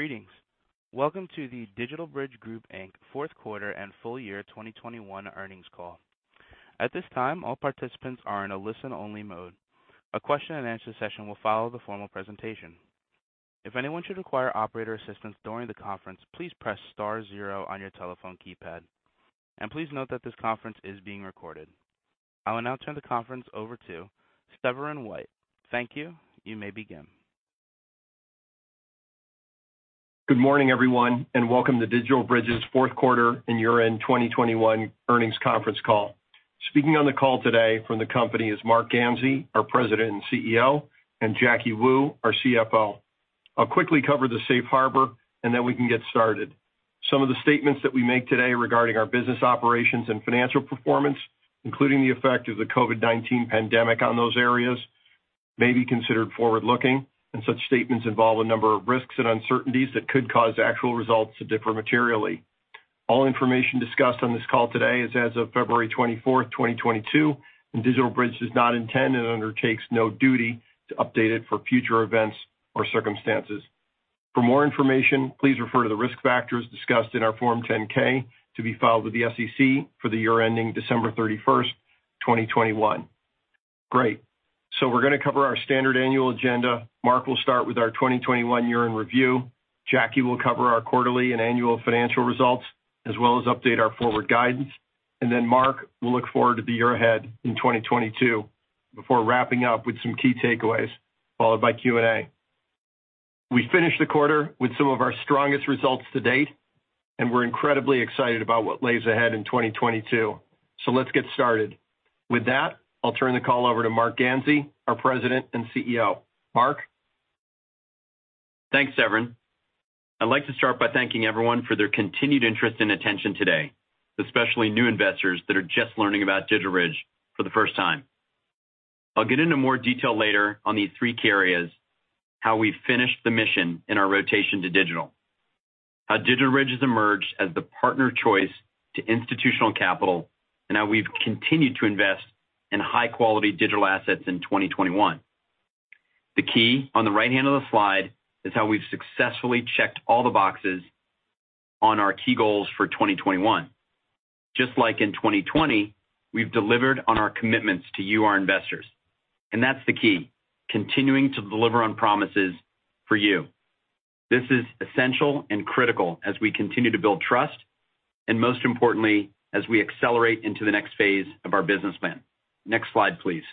Greetings. Welcome to the DigitalBridge Group, Inc. fourth quarter and full year 2021 earnings call. At this time, all participants are in a listen-only mode. A question and answer session will follow the formal presentation. If anyone should require operator assistance during the conference, please press star zero on your telephone keypad. Please note that this conference is being recorded. I will now turn the conference over to Severin White. Thank you. You may begin. Good morning, everyone, and welcome to DigitalBridge's fourth quarter and year-end 2021 earnings conference call. Speaking on the call today from the company is Marc Ganzi, our President and CEO, and Jacky Wu, our CFO. I'll quickly cover the safe harbor, and then we can get started. Some of the statements that we make today regarding our business operations and financial performance, including the effect of the COVID-19 pandemic on those areas, may be considered forward-looking, and such statements involve a number of risks and uncertainties that could cause actual results to differ materially. All information discussed on this call today is as of February 24, 2022, and DigitalBridge does not intend and undertakes no duty to update it for future events or circumstances. For more information, please refer to the risk factors discussed in our Form 10-K to be filed with the SEC for the year ending December 31, 2021. Great. We're gonna cover our standard annual agenda. Marc Ganzi will start with our 2021 year in review. Jacky Wu will cover our quarterly and annual financial results, as well as update our forward guidance. Then Marc Ganzi will look forward to the year ahead in 2022 before wrapping up with some key takeaways, followed by Q&A. We finished the quarter with some of our strongest results to date, and we're incredibly excited about what lies ahead in 2022. Let's get started. With that, I'll turn the call over to Marc Ganzi, our President and CEO. Marc. Thanks, Severin. I'd like to start by thanking everyone for their continued interest and attention today, especially new investors that are just learning about DigitalBridge for the first time. I'll get into more detail later on these three key areas, how we finished the mission in our rotation to digital, how DigitalBridge has emerged as the partner of choice to institutional capital, and how we've continued to invest in high-quality digital assets in 2021. The key on the right hand of the slide is how we've successfully checked all the boxes on our key goals for 2021. Just like in 2020, we've delivered on our commitments to you, our investors. That's the key, continuing to deliver on promises for you. This is essential and critical as we continue to build trust, and most importantly, as we accelerate into the next phase of our business plan. Next slide, please.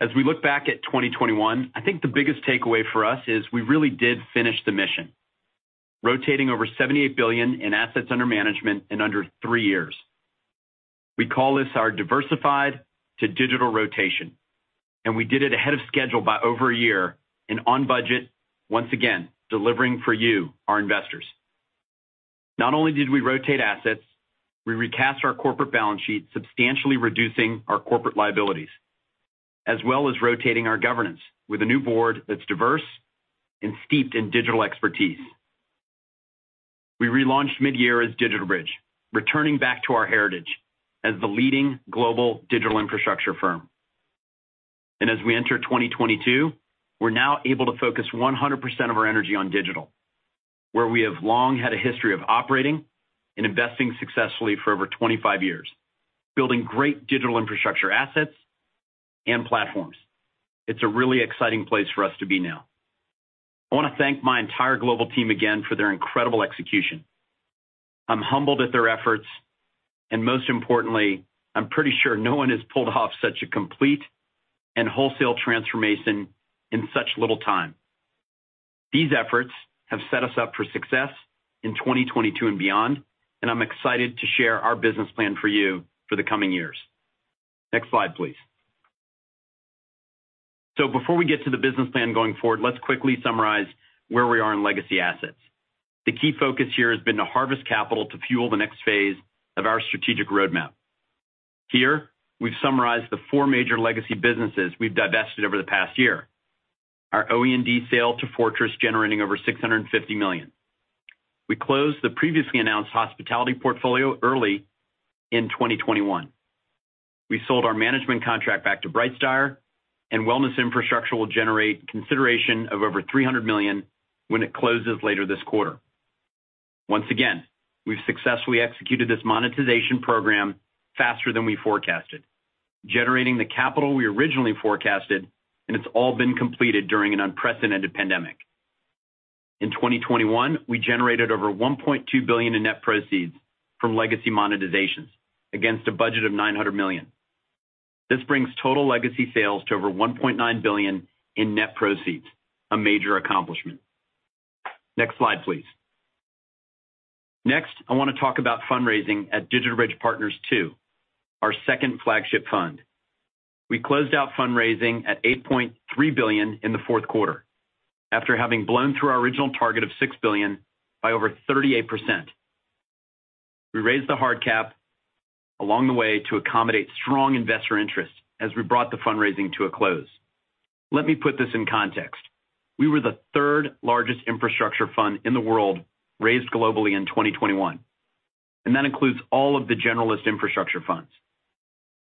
As we look back at 2021, I think the biggest takeaway for us is we really did finish the mission, rotating over $78 billion in assets under management in under 3 years. We call this our diversified to digital rotation, and we did it ahead of schedule by over 1 year and on budget, once again, delivering for you, our investors. Not only did we rotate assets, we recast our corporate balance sheet, substantially reducing our corporate liabilities, as well as rotating our governance with a new board that's diverse and steeped in digital expertise. We relaunched mid-year as DigitalBridge, returning back to our heritage as the leading global digital infrastructure firm. As we enter 2022, we're now able to focus 100% of our energy on digital, where we have long had a history of operating and investing successfully for over 25 years, building great digital infrastructure assets and platforms. It's a really exciting place for us to be now. I wanna thank my entire global team again for their incredible execution. I'm humbled at their efforts, and most importantly, I'm pretty sure no one has pulled off such a complete and wholesale transformation in such little time. These efforts have set us up for success in 2022 and beyond, and I'm excited to share our business plan for you for the coming years. Next slide, please. Before we get to the business plan going forward, let's quickly summarize where we are in legacy assets. The key focus here has been to harvest capital to fuel the next phase of our strategic roadmap. Here, we've summarized the four major legacy businesses we've divested over the past year. Our OED sale to Fortress generating over $650 million. We closed the previously announced hospitality portfolio early in 2021. We sold our management contract back to BrightSpire, and Wellness Infrastructure will generate consideration of over $300 million when it closes later this quarter. Once again, we've successfully executed this monetization program faster than we forecasted, generating the capital we originally forecasted, and it's all been completed during an unprecedented pandemic. In 2021, we generated over $1.2 billion in net proceeds from legacy monetizations against a budget of $900 million. This brings total legacy sales to over $1.9 billion in net proceeds, a major accomplishment. Next slide, please. Next, I wanna talk about fundraising at DigitalBridge Partners II, our second flagship fund. We closed out fundraising at $8.3 billion in the fourth quarter after having blown through our original target of $6 billion by over 38%. We raised the hard cap along the way to accommodate strong investor interest as we brought the fundraising to a close. Let me put this in context. We were the third largest infrastructure fund in the world raised globally in 2021, and that includes all of the generalist infrastructure funds.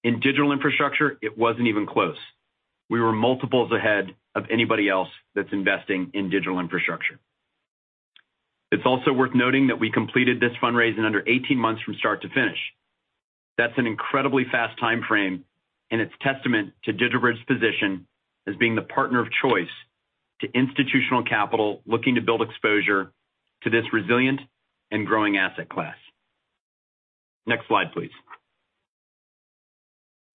In digital infrastructure, it wasn't even close. We were multiples ahead of anybody else that's investing in digital infrastructure. It's also worth noting that we completed this fundraise in under 18 months from start to finish. That's an incredibly fast timeframe, and it's testament to DigitalBridge's position as being the partner of choice to institutional capital looking to build exposure to this resilient and growing asset class. Next slide, please.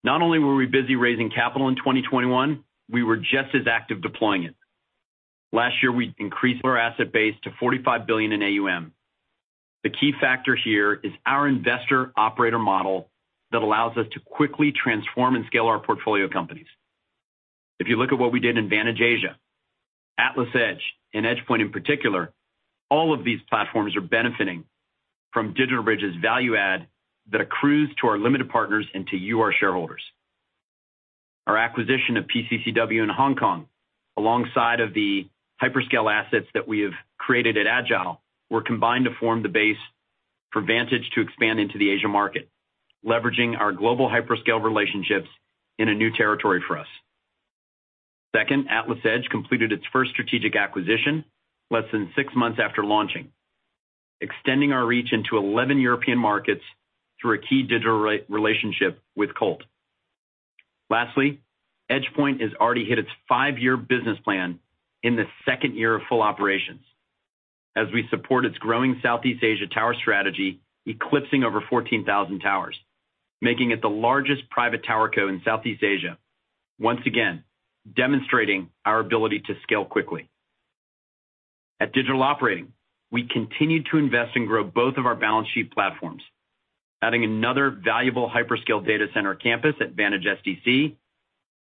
Not only were we busy raising capital in 2021, we were just as active deploying it. Last year, we increased our asset base to $45 billion in AUM. The key factor here is our investor operator model that allows us to quickly transform and scale our portfolio companies. If you look at what we did in Vantage Asia, AtlasEdge and EdgePoint in particular, all of these platforms are benefiting from DigitalBridge's value add that accrues to our limited partners and to you, our shareholders. Our acquisition of PCCW in Hong Kong, alongside of the hyperscale assets that we have created at Agile, were combined to form the base for Vantage to expand into the Asia market, leveraging our global hyperscale relationships in a new territory for us. Second, AtlasEdge completed its first strategic acquisition less than 6 months after launching, extending our reach into 11 European markets through a key digital relationship with Colt. Lastly, EdgePoint has already hit its 5-year business plan in the second year of full operations as we support its growing Southeast Asia tower strategy, eclipsing over 14,000 towers, making it the largest private tower co in Southeast Asia, once again, demonstrating our ability to scale quickly. At DigitalBridge, we continued to invest and grow both of our balance sheet platforms, adding another valuable hyperscale data center campus at Vantage SDC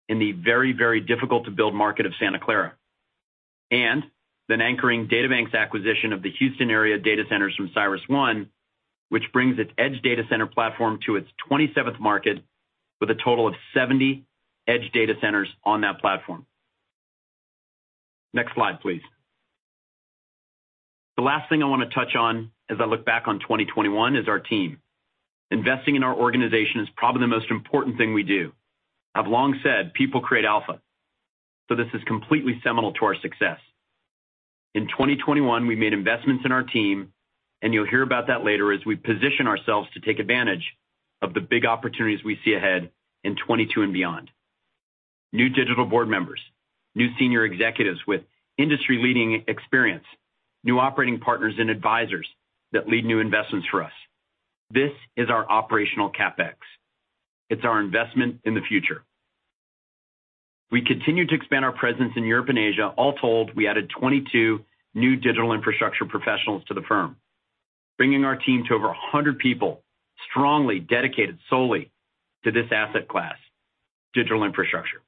in the very, very difficult to build market of Santa Clara, and then anchoring DataBank's acquisition of the Houston area data centers from CyrusOne, which brings its edge data center platform to its 27th market with a total of 70 edge data centers on that platform. Next slide, please. The last thing I want to touch on as I look back on 2021 is our team. Investing in our organization is probably the most important thing we do. I've long said people create alpha, so this is completely seminal to our success. In 2021, we made investments in our team, and you'll hear about that later as we position ourselves to take advantage of the big opportunities we see ahead in 2022 and beyond. New digital board members, new senior executives with industry-leading experience, new operating partners and advisors that lead new investments for us. This is our operational CapEx. It's our investment in the future. We continue to expand our presence in Europe and Asia. All told, we added 22 new digital infrastructure professionals to the firm, bringing our team to over 100 people strongly dedicated solely to this asset class, digital infrastructure.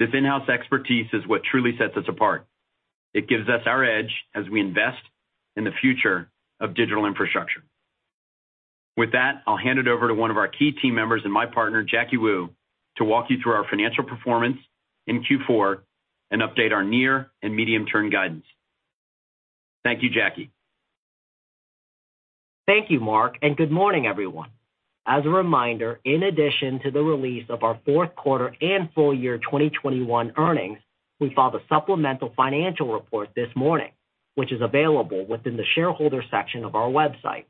This in-house expertise is what truly sets us apart. It gives us our edge as we invest in the future of digital infrastructure. With that, I'll hand it over to one of our key team members and my partner, Jacky Wu, to walk you through our financial performance in Q4 and update our near and medium-term guidance. Thank you, Jacky. Thank you, Marc, and good morning, everyone. As a reminder, in addition to the release of our fourth quarter and full year 2021 earnings, we filed a supplemental financial report this morning, which is available within the shareholder section of our website.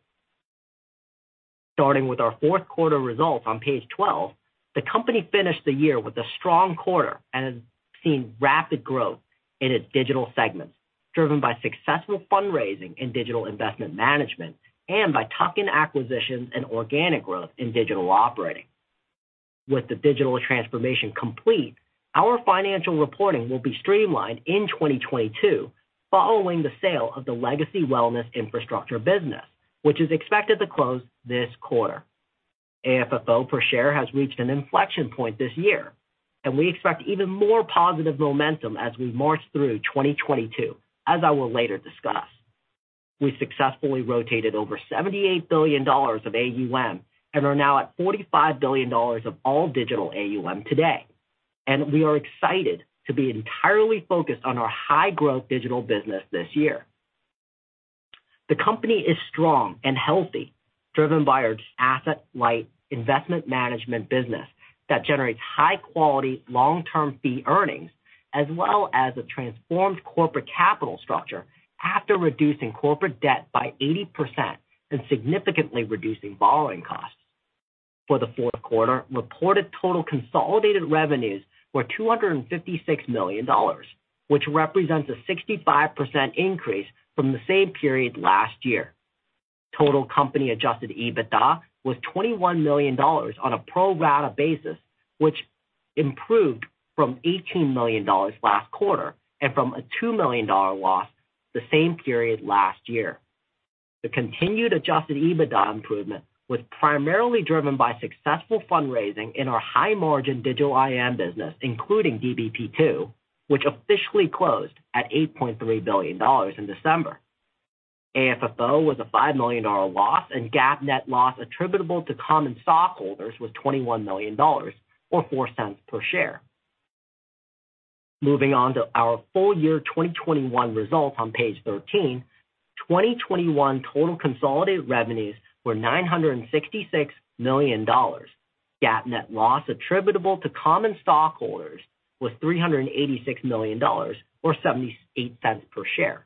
Starting with our fourth quarter results on page 12, the company finished the year with a strong quarter and has seen rapid growth in its Digital segments, driven by successful fundraising in Digital investment management and by tuck-in acquisitions and organic growth in Digital operating. With the digital transformation complete, our financial reporting will be streamlined in 2022 following the sale of the legacy Wellness Infrastructure business, which is expected to close this quarter. AFFO per share has reached an inflection point this year, and we expect even more positive momentum as we march through 2022, as I will later discuss. We successfully rotated over $78 billion of AUM and are now at $45 billion of all digital AUM today. We are excited to be entirely focused on our high-growth digital business this year. The company is strong and healthy, driven by our asset-light investment management business that generates high-quality, long-term fee earnings as well as a transformed corporate capital structure after reducing corporate debt by 80% and significantly reducing borrowing costs. For the fourth quarter, reported total consolidated revenues were $256 million, which represents a 65% increase from the same period last year. Total company Adjusted EBITDA was $21 million on a pro rata basis, which improved from $18 million last quarter and from a $2 million loss the same period last year. The continued Adjusted EBITDA improvement was primarily driven by successful fundraising in our high-margin digital IM business, including DBP II, which officially closed at $8.3 billion in December. AFFO was a $5 million loss, and GAAP net loss attributable to common stockholders was $21 million, or $0.04 per share. Moving on to our full year 2021 results on page 13. 2021 total consolidated revenues were $966 million. GAAP net loss attributable to common stockholders was $386 million, or $0.78 per share.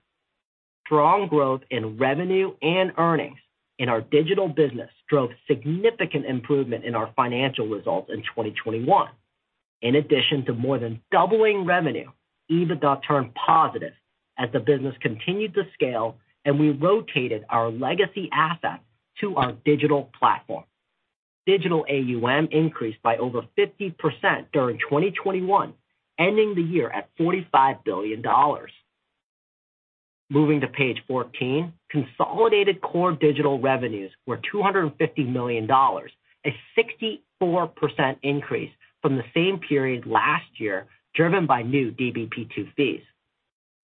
Strong growth in revenue and earnings in our digital business drove significant improvement in our financial results in 2021. In addition to more than doubling revenue, EBITDA turned positive as the business continued to scale and we rotated our legacy assets to our digital platform. Digital AUM increased by over 50% during 2021, ending the year at $45 billion. Moving to page 14. Consolidated core digital revenues were $250 million, a 64% increase from the same period last year, driven by new DBP II fees.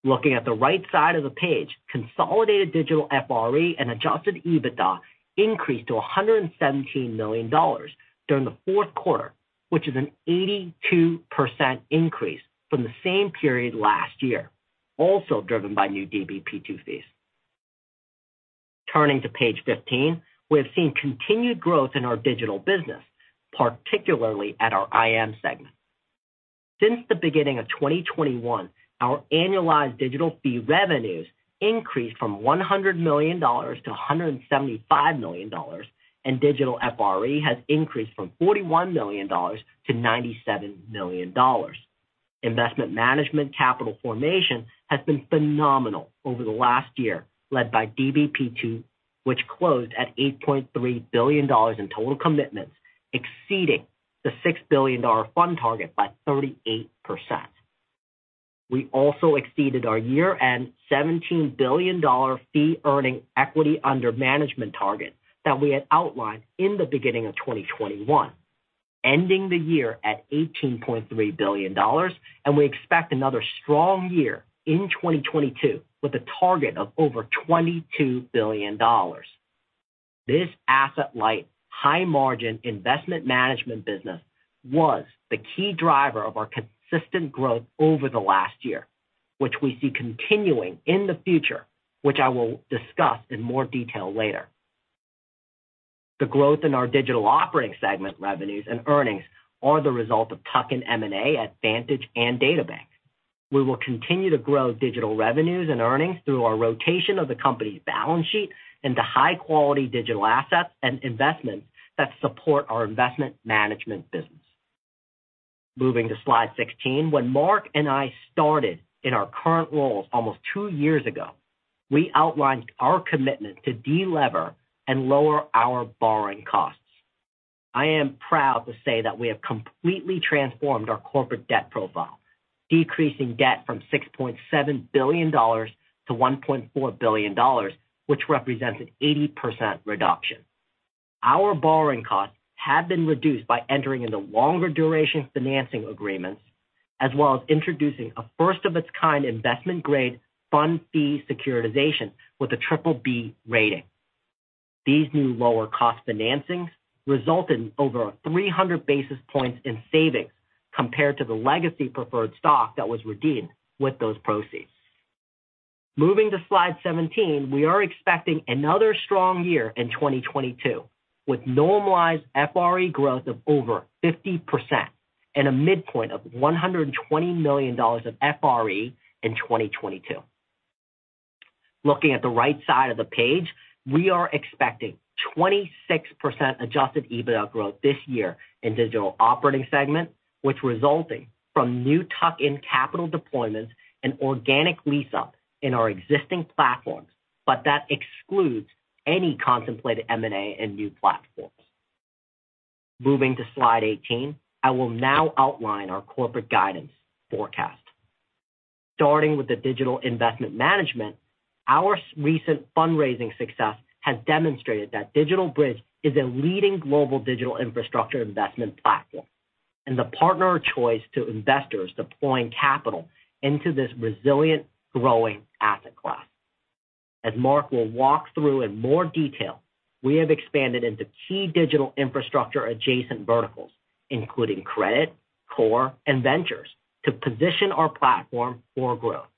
Looking at the right side of the page, consolidated digital FRE and Adjusted EBITDA increased to $117 million during the fourth quarter, which is an 82% increase from the same period last year, also driven by new DBP II fees. Turning to page 15. We have seen continued growth in our digital business, particularly at our IM segment. Since the beginning of 2021, our annualized digital fee revenues increased from $100 million to $175 million, and digital FRE has increased from $41 million to $97 million. Investment management capital formation has been phenomenal over the last year, led by DBP II, which closed at $8.3 billion in total commitments, exceeding the $6 billion fund target by 38%. We also exceeded our year-end $17 billion fee-earning equity under management target that we had outlined in the beginning of 2021, ending the year at $18.3 billion, and we expect another strong year in 2022 with a target of over $22 billion. This asset-light, high-margin investment management business was the key driver of our consistent growth over the last year, which we see continuing in the future, which I will discuss in more detail later. The growth in our digital operating segment revenues and earnings are the result of tuck-in M&A at Vantage and DataBank. We will continue to grow digital revenues and earnings through our rotation of the company's balance sheet into high-quality digital assets and investments that support our investment management business. Moving to slide 16. When Marc and I started in our current roles almost 2 years ago, we outlined our commitment to de-lever and lower our borrowing costs. I am proud to say that we have completely transformed our corporate debt profile, decreasing debt from $6.7 billion to $1.4 billion, which represents an 80% reduction. Our borrowing costs have been reduced by entering into longer duration financing agreements, as well as introducing a first-of-its-kind investment-grade fund fee securitization with a BBB rating. These new lower-cost financings result in over 300 basis points in savings compared to the legacy preferred stock that was redeemed with those proceeds. Moving to slide 17. We are expecting another strong year in 2022, with normalized FRE growth of over 50% and a midpoint of $120 million of FRE in 2022. Looking at the right side of the page, we are expecting 26% Adjusted EBITDA growth this year in digital operating segment, which resulting from new tuck-in capital deployments and organic lease-up in our existing platforms, but that excludes any contemplated M&A in new platforms. Moving to slide 18. I will now outline our corporate guidance forecast. Starting with the digital investment management, our recent fundraising success has demonstrated that DigitalBridge is a leading global digital infrastructure investment platform and the partner of choice to investors deploying capital into this resilient, growing asset class. As Marc will walk through in more detail, we have expanded into key digital infrastructure adjacent verticals, including credit, core, and ventures to position our platform for growth.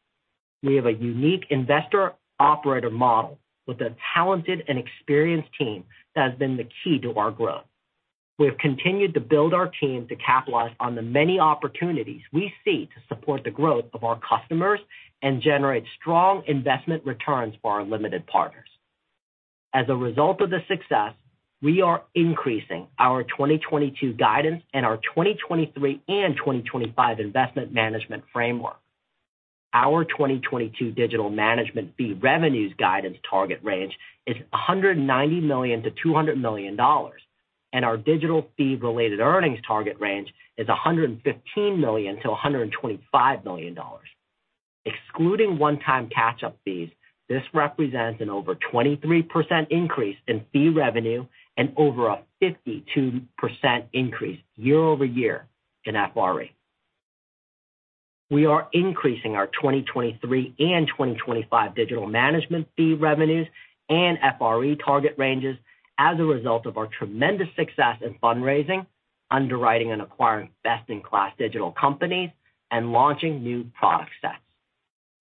We have a unique investor operator model with a talented and experienced team that has been the key to our growth. We have continued to build our team to capitalize on the many opportunities we see to support the growth of our customers and generate strong investment returns for our limited partners. As a result of this success, we are increasing our 2022 guidance and our 2023 and 2025 investment management framework. Our 2022 digital management fee revenues guidance target range is $190 million-$200 million, and our digital fee-related earnings target range is $115 million-$125 million. Excluding one-time catch-up fees, this represents an over 23% increase in fee revenue and over a 52% increase year-over-year in FRE. We are increasing our 2023 and 2025 digital management fee revenues and FRE target ranges as a result of our tremendous success in fundraising, underwriting and acquiring best-in-class digital companies, and launching new product sets.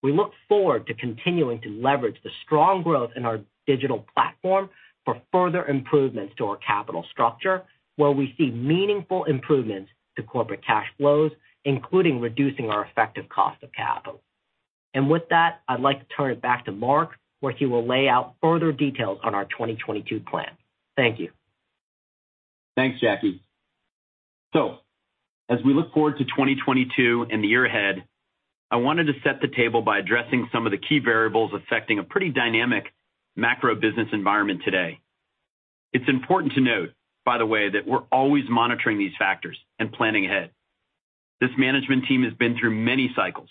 We look forward to continuing to leverage the strong growth in our digital platform for further improvements to our capital structure, where we see meaningful improvements to corporate cash flows, including reducing our effective cost of capital. With that, I'd like to turn it back to Marc, where he will lay out further details on our 2022 plan. Thank you. Thanks, Jacky. As we look forward to 2022 and the year ahead, I wanted to set the table by addressing some of the key variables affecting a pretty dynamic macro business environment today. It's important to note, by the way, that we're always monitoring these factors and planning ahead. This management team has been through many cycles,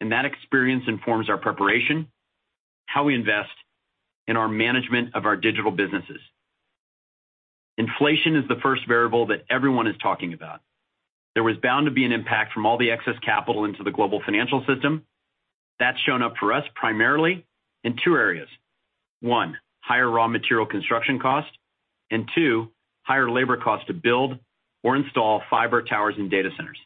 and that experience informs our preparation, how we invest, and our management of our digital businesses. Inflation is the first variable that everyone is talking about. There was bound to be an impact from all the excess capital into the global financial system. That's shown up for us primarily in two areas. One, higher raw material construction cost, and two, higher labor cost to build or install fiber towers and data centers.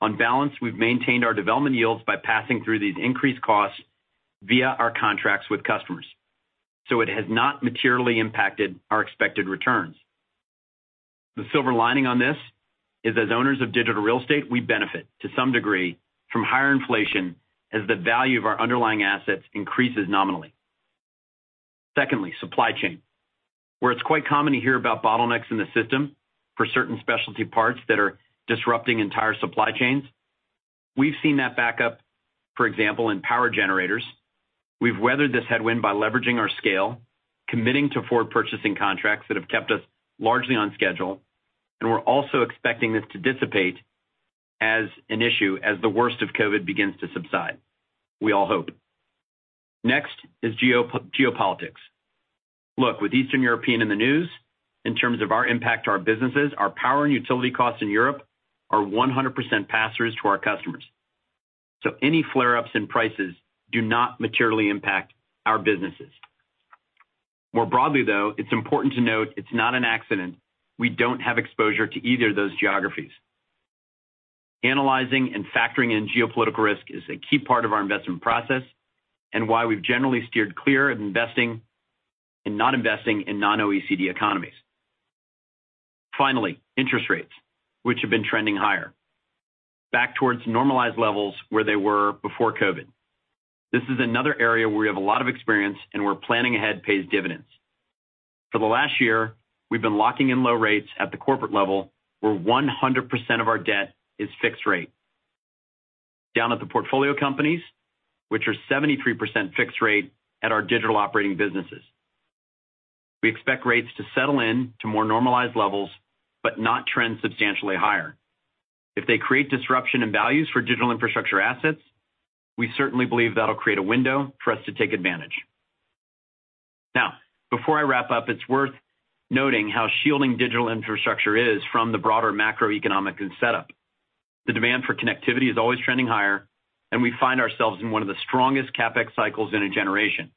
On balance, we've maintained our development yields by passing through these increased costs via our contracts with customers, so it has not materially impacted our expected returns. The silver lining on this is as owners of digital real estate, we benefit to some degree from higher inflation as the value of our underlying assets increases nominally. Secondly, supply chain, where it's quite common to hear about bottlenecks in the system for certain specialty parts that are disrupting entire supply chains. We've seen that back up, for example, in power generators. We've weathered this headwind by leveraging our scale, committing to forward purchasing contracts that have kept us largely on schedule, and we're also expecting this to dissipate as an issue as the worst of COVID begins to subside, we all hope. Next is geopolitics. Look, with Eastern Europe in the news, in terms of our impact to our businesses, our power and utility costs in Europe are 100% pass-throughs to our customers. Any flare-ups in prices do not materially impact our businesses. More broadly, though, it's important to note it's not an accident. We don't have exposure to either of those geographies. Analyzing and factoring in geopolitical risk is a key part of our investment process and why we've generally steered clear of investing and not investing in non-OECD economies. Finally, interest rates, which have been trending higher, back towards normalized levels where they were before COVID. This is another area where we have a lot of experience, and where planning ahead pays dividends. For the last year, we've been locking in low rates at the corporate level, where 100% of our debt is fixed rate. Down at the portfolio companies, which are 73% fixed rate at our digital operating businesses. We expect rates to settle in to more normalized levels, but not trend substantially higher. If they create disruption and values for digital infrastructure assets, we certainly believe that'll create a window for us to take advantage. Now, before I wrap up, it's worth noting how shielding digital infrastructure is from the broader macroeconomic and setup. The demand for connectivity is always trending higher, and we find ourselves in one of the strongest CapEx cycles in a generation,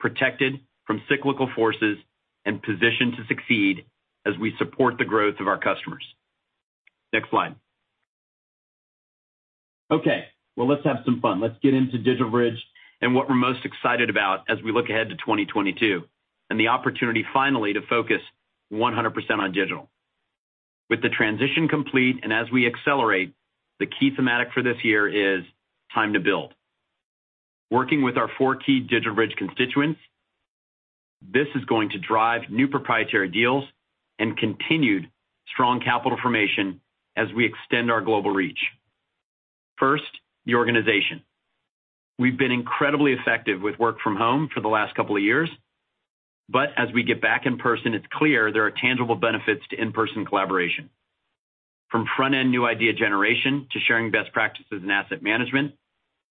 protected from cyclical forces and positioned to succeed as we support the growth of our customers. Next slide. Okay, well, let's have some fun. Let's get into DigitalBridge and what we're most excited about as we look ahead to 2022, and the opportunity finally to focus 100% on digital. With the transition complete, and as we accelerate, the key theme for this year is time to build. Working with our four key DigitalBridge constituents, this is going to drive new proprietary deals and continued strong capital formation as we extend our global reach. First, the organization. We've been incredibly effective with work from home for the last couple of years, but as we get back in person, it's clear there are tangible benefits to in-person collaboration. From front-end new idea generation to sharing best practices and asset management,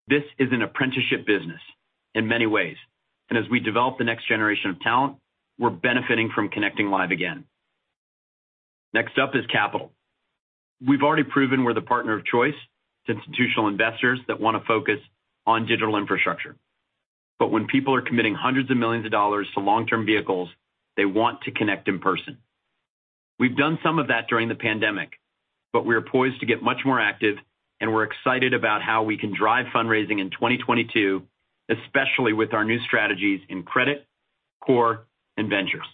this is an apprenticeship business in many ways. As we develop the next generation of talent, we're benefiting from connecting live again. Next up is capital. We've already proven we're the partner of choice to institutional investors that wanna focus on digital infrastructure. When people are committing hundreds of millions of dollars to long-term vehicles, they want to connect in person. We've done some of that during the pandemic, but we are poised to get much more active, and we're excited about how we can drive fundraising in 2022, especially with our new strategies in credit, core, and ventures.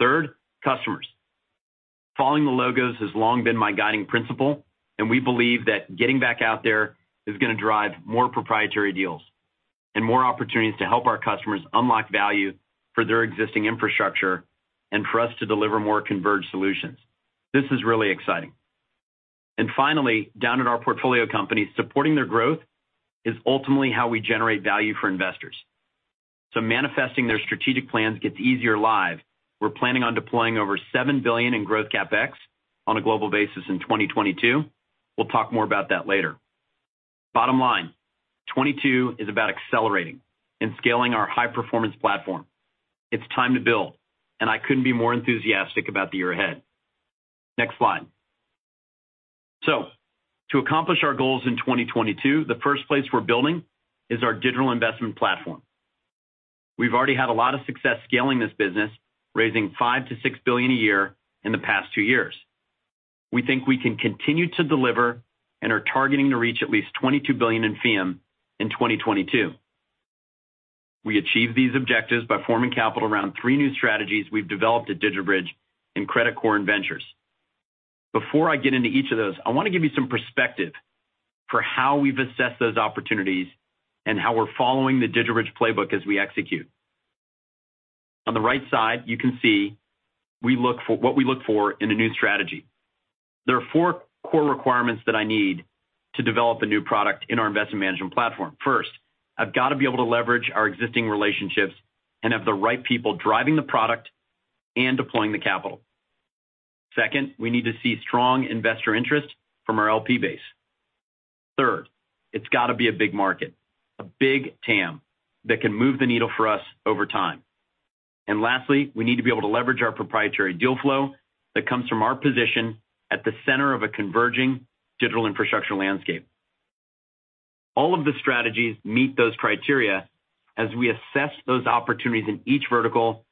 Third, customers. Following the logos has long been my guiding principle, and we believe that getting back out there is gonna drive more proprietary deals and more opportunities to help our customers unlock value for their existing infrastructure and for us to deliver more converged solutions. This is really exciting. Finally, down at our portfolio companies, supporting their growth is ultimately how we generate value for investors. Manifesting their strategic plans gets easier live. We're planning on deploying over $7 billion in growth CapEx on a global basis in 2022. We'll talk more about that later. Bottom line, 2022 is about accelerating and scaling our high-performance platform. It's time to build, and I couldn't be more enthusiastic about the year ahead. Next slide. To accomplish our goals in 2022, the first place we're building is our digital investment platform. We've already had a lot of success scaling this business, raising $5 billion-$6 billion a year in the past two years. We think we can continue to deliver and are targeting to reach at least $22 billion in AUM in 2022. We achieve these objectives by forming capital around three new strategies we've developed at DigitalBridge in credit, core, and ventures. Before I get into each of those, I want to give you some perspective for how we've assessed those opportunities and how we're following the DigitalBridge playbook as we execute. On the right side, you can see what we look for in a new strategy. There are four core requirements that I need to develop a new product in our investment management platform. First, I've got to be able to leverage our existing relationships and have the right people driving the product and deploying the capital. Second, we need to see strong investor interest from our LP base. Third, it's got to be a big market, a big TAM that can move the needle for us over time. Lastly, we need to be able to leverage our proprietary deal flow that comes from our position at the center of a converging digital infrastructure landscape. All of the strategies meet those criteria as we assess those opportunities in each vertical.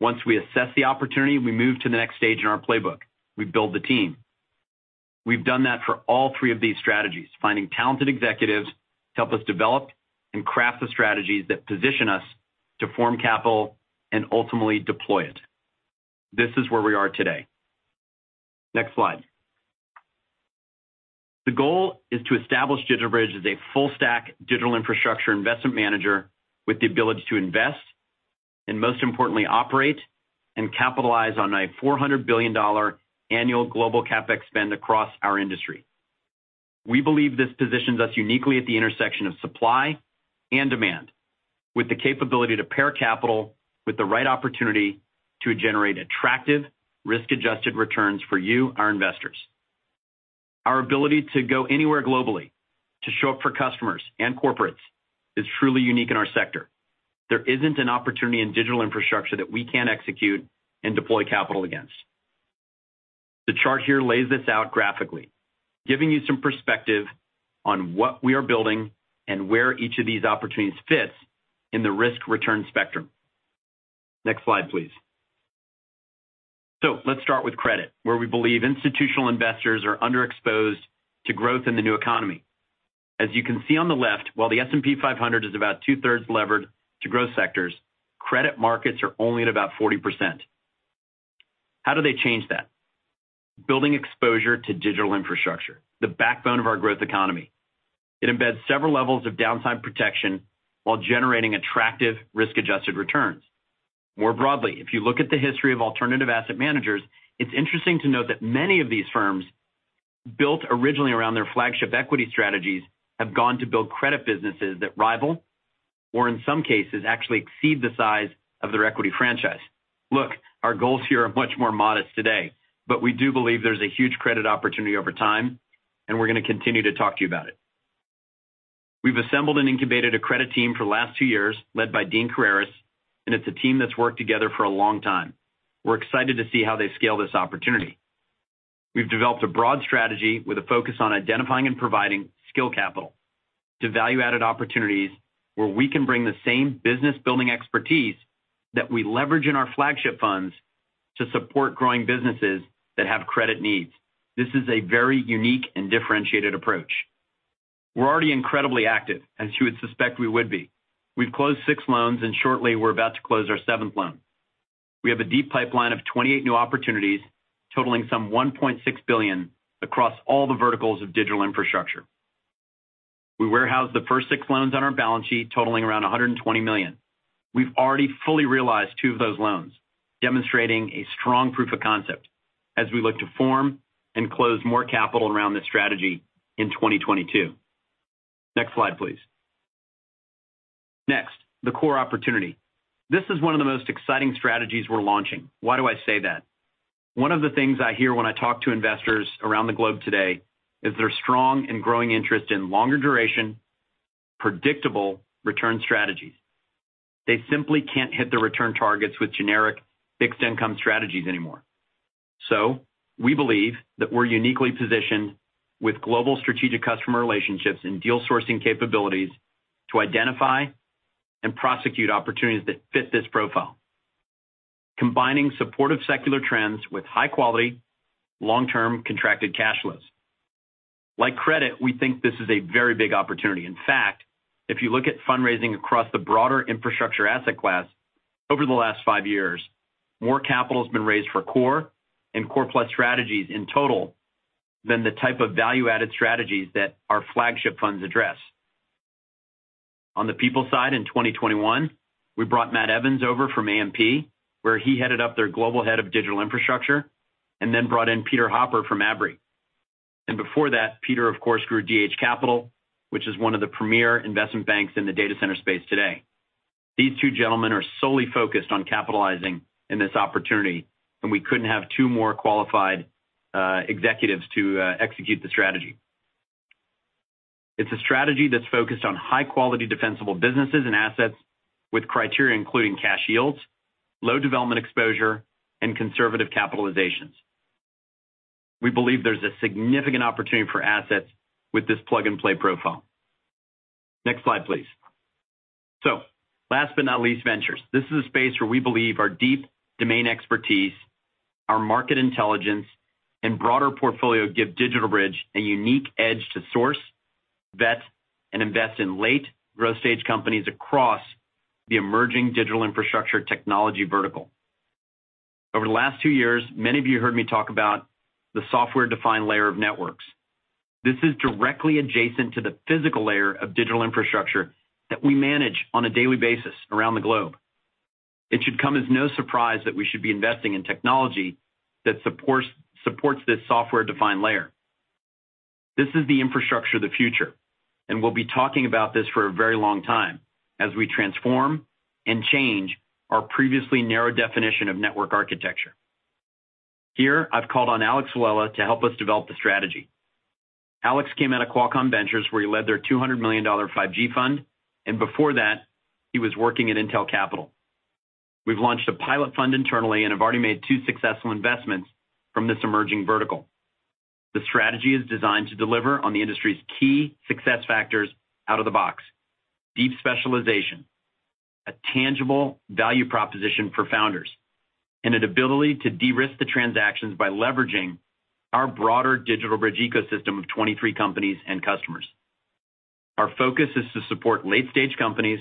Once we assess the opportunity, we move to the next stage in our playbook. We build the team. We've done that for all three of these strategies, finding talented executives to help us develop and craft the strategies that position us to form capital and ultimately deploy it. This is where we are today. Next slide. The goal is to establish DigitalBridge as a full-stack digital infrastructure investment manager with the ability to invest and, most importantly, operate and capitalize on a $400 billion annual global CapEx spend across our industry. We believe this positions us uniquely at the intersection of supply and demand, with the capability to pair capital with the right opportunity to generate attractive risk-adjusted returns for you, our investors. Our ability to go anywhere globally to show up for customers and corporates is truly unique in our sector. There isn't an opportunity in digital infrastructure that we can't execute and deploy capital against. The chart here lays this out graphically, giving you some perspective on what we are building and where each of these opportunities fits in the risk-return spectrum. Next slide, please. Let's start with credit, where we believe institutional investors are underexposed to growth in the new economy. As you can see on the left, while the S&P 500 is about two-thirds levered to growth sectors, credit markets are only at about 40%. How do they change that? Building exposure to digital infrastructure, the backbone of our growth economy. It embeds several levels of downside protection while generating attractive risk-adjusted returns. More broadly, if you look at the history of alternative asset managers, it's interesting to note that many of these firms built originally around their flagship equity strategies have gone to build credit businesses that rival or in some cases actually exceed the size of their equity franchise. Look, our goals here are much more modest today, but we do believe there's a huge credit opportunity over time, and we're going to continue to talk to you about it. We've assembled and incubated a credit team for the last two years, led by Dean Criares, and it's a team that's worked together for a long time. We're excited to see how they scale this opportunity. We've developed a broad strategy with a focus on identifying and providing skill capital to value-added opportunities where we can bring the same business building expertise that we leverage in our flagship funds to support growing businesses that have credit needs. This is a very unique and differentiated approach. We're already incredibly active, as you would suspect we would be. We've closed 6 loans and shortly we're about to close our seventh loan. We have a deep pipeline of 28 new opportunities totaling some $1.6 billion across all the verticals of digital infrastructure. We warehouse the first 6 loans on our balance sheet totaling around $120 million. We've already fully realized two of those loans, demonstrating a strong proof of concept as we look to form and close more capital around this strategy in 2022. Next slide, please. Next, the core opportunity. This is one of the most exciting strategies we're launching. Why do I say that? One of the things I hear when I talk to investors around the globe today is their strong and growing interest in longer duration, predictable return strategies. They simply can't hit their return targets with generic fixed income strategies anymore. We believe that we're uniquely positioned with global strategic customer relationships and deal sourcing capabilities to identify and prosecute opportunities that fit this profile, combining supportive secular trends with high-quality long-term contracted cash flows. Like credit, we think this is a very big opportunity. In fact, if you look at fundraising across the broader infrastructure asset class over the last five years, more capital has been raised for core and core plus strategies in total than the type of value-added strategies that our flagship funds address. On the people side, in 2021, we brought Matt Evans over from AMP, where he headed up their global head of digital infrastructure, and then brought in Peter Hopper from Abry. Before that, Peter, of course, grew DH Capital, which is one of the premier investment banks in the data center space today. These two gentlemen are solely focused on capitalizing in this opportunity, and we couldn't have two more qualified executives to execute the strategy. It's a strategy that's focused on high-quality defensible businesses and assets with criteria including cash yields, low development exposure, and conservative capitalizations. We believe there's a significant opportunity for assets with this plug-and-play profile. Next slide, please. Last but not least, ventures. This is a space where we believe our deep domain expertise, our market intelligence, and broader portfolio give DigitalBridge a unique edge to source, vet, and invest in late growth stage companies across the emerging digital infrastructure technology vertical. Over the last two years, many of you heard me talk about the software-defined layer of networks. This is directly adjacent to the physical layer of digital infrastructure that we manage on a daily basis around the globe. It should come as no surprise that we should be investing in technology that supports this software-defined layer. This is the infrastructure of the future, and we'll be talking about this for a very long time as we transform and change our previously narrow definition of network architecture. Here, I've called on Alexandre Villela to help us develop the strategy. Alexandre Villela came out of Qualcomm Ventures, where he led their $200 million 5G fund, and before that, he was working at Intel Capital. We've launched a pilot fund internally and have already made two successful investments from this emerging vertical. The strategy is designed to deliver on the industry's key success factors out of the box, deep specialization, a tangible value proposition for founders, and an ability to de-risk the transactions by leveraging our broader DigitalBridge ecosystem of 2023 companies and customers. Our focus is to support late-stage companies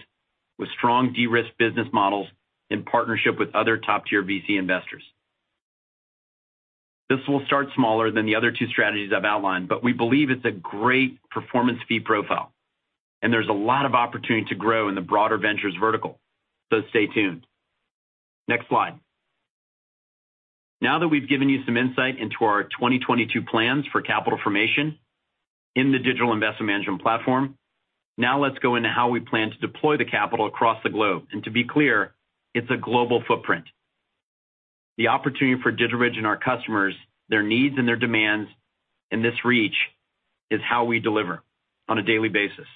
with strong de-risked business models in partnership with other top-tier VC investors. This will start smaller than the other two strategies I've outlined, but we believe it's a great performance fee profile, and there's a lot of opportunity to grow in the broader ventures vertical, so stay tuned. Next slide. Now that we've given you some insight into our 2022 plans for capital formation in the digital investment management platform, now let's go into how we plan to deploy the capital across the globe. To be clear, it's a global footprint. The opportunity for DigitalBridge and our customers, their needs and their demands, and this reach is how we deliver on a daily basis.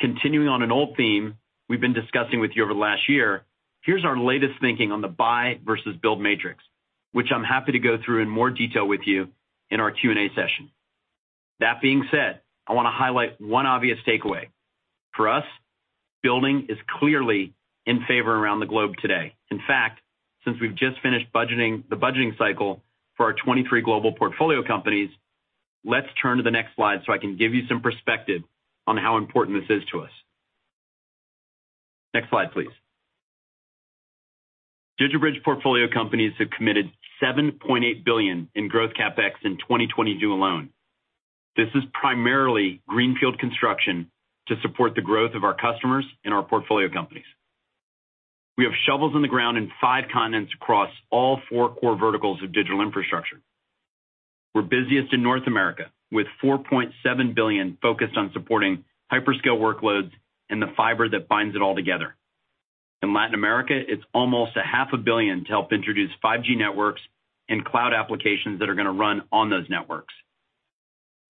Continuing on an old theme we've been discussing with you over the last year, here's our latest thinking on the buy versus build matrix, which I'm happy to go through in more detail with you in our Q&A session. That being said, I want to highlight one obvious takeaway. For us, building is clearly in favor around the globe today. In fact, since we've just finished budgeting, the budgeting cycle for our 2023 global portfolio companies, let's turn to the next slide so I can give you some perspective on how important this is to us. Next slide, please. DigitalBridge portfolio companies have committed $7.8 billion in growth CapEx in 2022 alone. This is primarily greenfield construction to support the growth of our customers and our portfolio companies. We have shovels in the ground in five continents across all four core verticals of digital infrastructure. We're busiest in North America, with $4.7 billion focused on supporting hyperscale workloads and the fiber that binds it all together. In Latin America, it's almost $0.5 billion to help introduce 5G networks and cloud applications that are gonna run on those networks.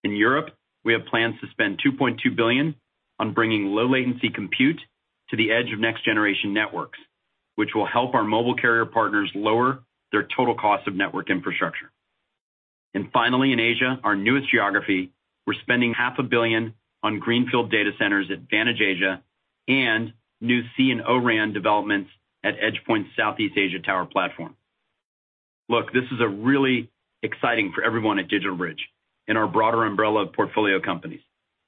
In Europe, we have plans to spend $2.2 billion on bringing low-latency compute to the edge of next-generation networks, which will help our mobile carrier partners lower their total cost of network infrastructure. Finally, in Asia, our newest geography, we're spending half a billion on greenfield data centers at Vantage Data Centers (APAC) and new 5G and O-RAN developments at EdgePoint Infrastructure. Look, this is a really exciting time for everyone at DigitalBridge and our broader umbrella of portfolio companies.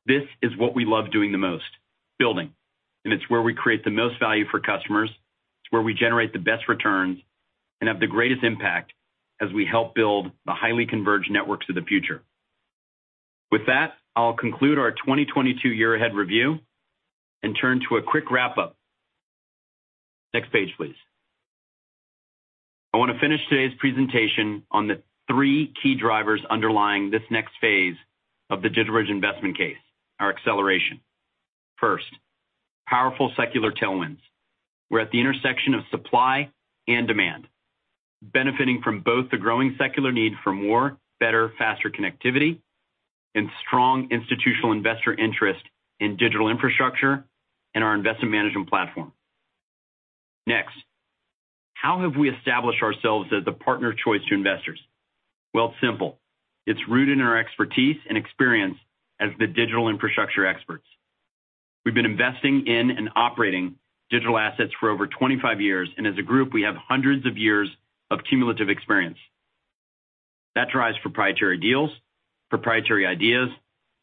This is what we love doing the most, building, and it's where we create the most value for customers. It's where we generate the best returns and have the greatest impact as we help build the highly converged networks of the future. With that, I'll conclude our 2022 year-ahead review and turn to a quick wrap-up. Next page, please. I want to finish today's presentation on the three key drivers underlying this next phase of the DigitalBridge investment case, our acceleration. First, powerful secular tailwinds. We're at the intersection of supply and demand, benefiting from both the growing secular need for more, better, faster connectivity and strong institutional investor interest in digital infrastructure and our investment management platform. Next, how have we established ourselves as a partner of choice to investors? Well, it's simple. It's rooted in our expertise and experience as the digital infrastructure experts. We've been investing in and operating digital assets for over 25 years, and as a group, we have hundreds of years of cumulative experience. That drives proprietary deals, proprietary ideas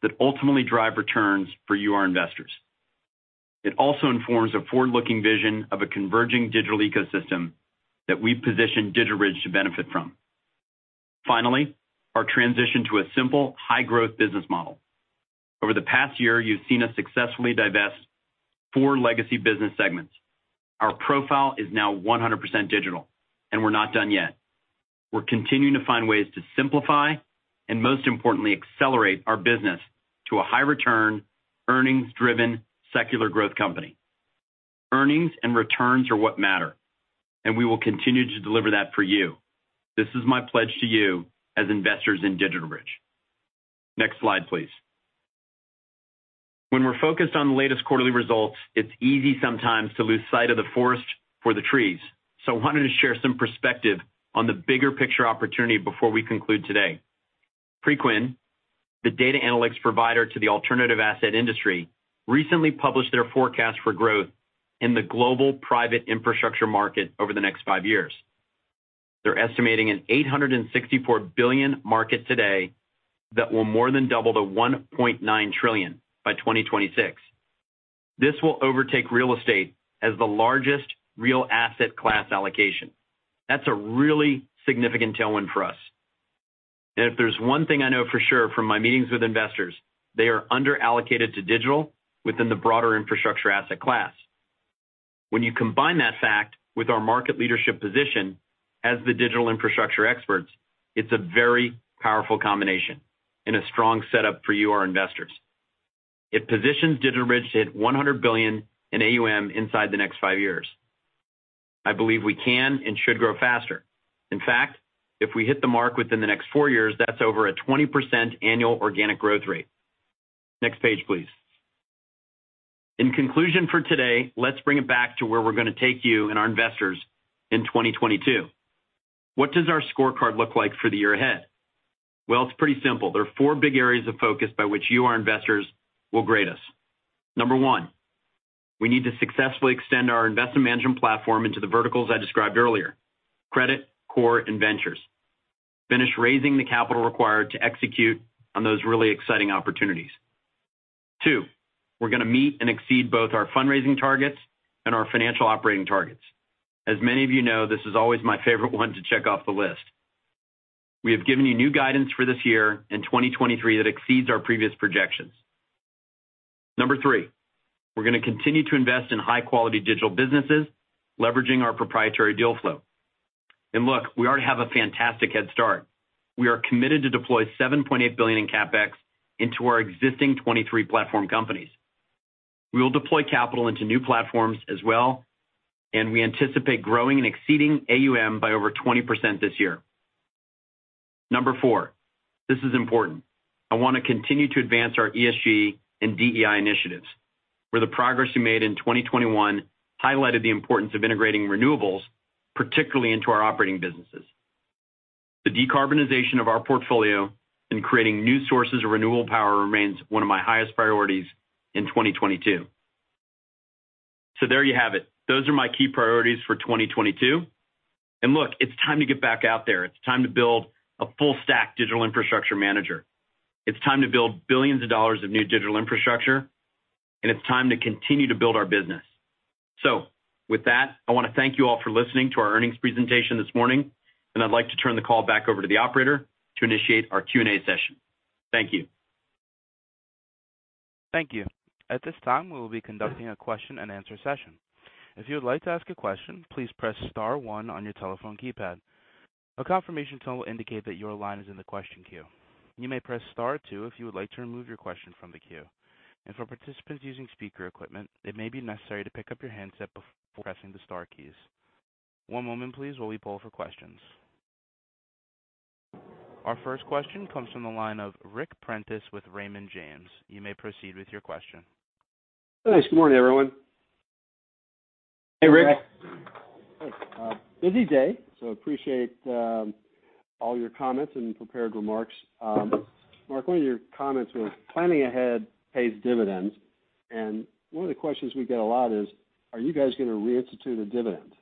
that ultimately drive returns for you, our investors. It also informs a forward-looking vision of a converging digital ecosystem that we position DigitalBridge to benefit from. Finally, our transition to a simple high-growth business model. Over the past year, you've seen us successfully divest four legacy business segments. Our profile is now 100% digital, and we're not done yet. We're continuing to find ways to simplify and, most importantly, accelerate our business to a high-return, earnings-driven, secular growth company. Earnings and returns are what matter, and we will continue to deliver that for you. This is my pledge to you as investors in DigitalBridge. Next slide, please. When we're focused on the latest quarterly results, it's easy sometimes to lose sight of the forest for the trees. I wanted to share some perspective on the bigger picture opportunity before we conclude today. Preqin, the data analytics provider to the alternative asset industry, recently published their forecast for growth in the global private infrastructure market over the next five years. They're estimating an $864 billion market today that will more than double to $1.9 trillion by 2026. This will overtake real estate as the largest real asset class allocation. That's a really significant tailwind for us. If there's one thing I know for sure from my meetings with investors, they are under-allocated to digital within the broader infrastructure asset class. When you combine that fact with our market leadership position as the digital infrastructure experts, it's a very powerful combination and a strong setup for you, our investors. It positions DigitalBridge to hit $100 billion in AUM inside the next 5 years. I believe we can and should grow faster. In fact, if we hit the mark within the next 4 years, that's over a 20% annual organic growth rate. Next page, please. In conclusion for today, let's bring it back to where we're gonna take you and our investors in 2022. What does our scorecard look like for the year ahead? Well, it's pretty simple. There are four big areas of focus by which you, our investors, will grade us. Number one, we need to successfully extend our investment management platform into the verticals I described earlier, credit, core, and ventures. Finish raising the capital required to execute on those really exciting opportunities. Two, we're gonna meet and exceed both our fundraising targets and our financial operating targets. As many of you know, this is always my favorite one to check off the list. We have given you new guidance for this year and 2023 that exceeds our previous projections. Number three, we're gonna continue to invest in high-quality digital businesses, leveraging our proprietary deal flow. Look, we already have a fantastic head start. We are committed to deploy $7.8 billion in CapEx into our existing 23 platform companies. We will deploy capital into new platforms as well, and we anticipate growing and exceeding AUM by over 20% this year. Number four, this is important. I wanna continue to advance our ESG and DEI initiatives, where the progress we made in 2021 highlighted the importance of integrating renewables, particularly into our operating businesses. The decarbonization of our portfolio and creating new sources of renewable power remains one of my highest priorities in 2022. There you have it. Those are my key priorities for 2022. Look, it's time to get back out there. It's time to build a full stack digital infrastructure manager. It's time to build billions of dollars of new digital infrastructure, and it's time to continue to build our business. With that, I wanna thank you all for listening to our earnings presentation this morning, and I'd like to turn the call back over to the operator to initiate our Q&A session. Thank you. Thank you. At this time, we will be conducting a question-and-answer session. If you would like to ask a question, please press star one on your telephone keypad. A confirmation tone will indicate that your line is in the question queue. You may press star two if you would like to remove your question from the queue. For participants using speaker equipment, it may be necessary to pick up your handset before pressing the star keys. One moment please while we poll for questions. Our first question comes from the line of Ric Prentiss with Raymond James. You may proceed with your question. Thanks. Good morning, everyone. Hey, Ric. Hey. Busy day, so appreciate all your comments and prepared remarks. Marc, one of your comments was planning ahead pays dividends, and one of the questions we get a lot is, are you guys gonna reinstitute a dividend?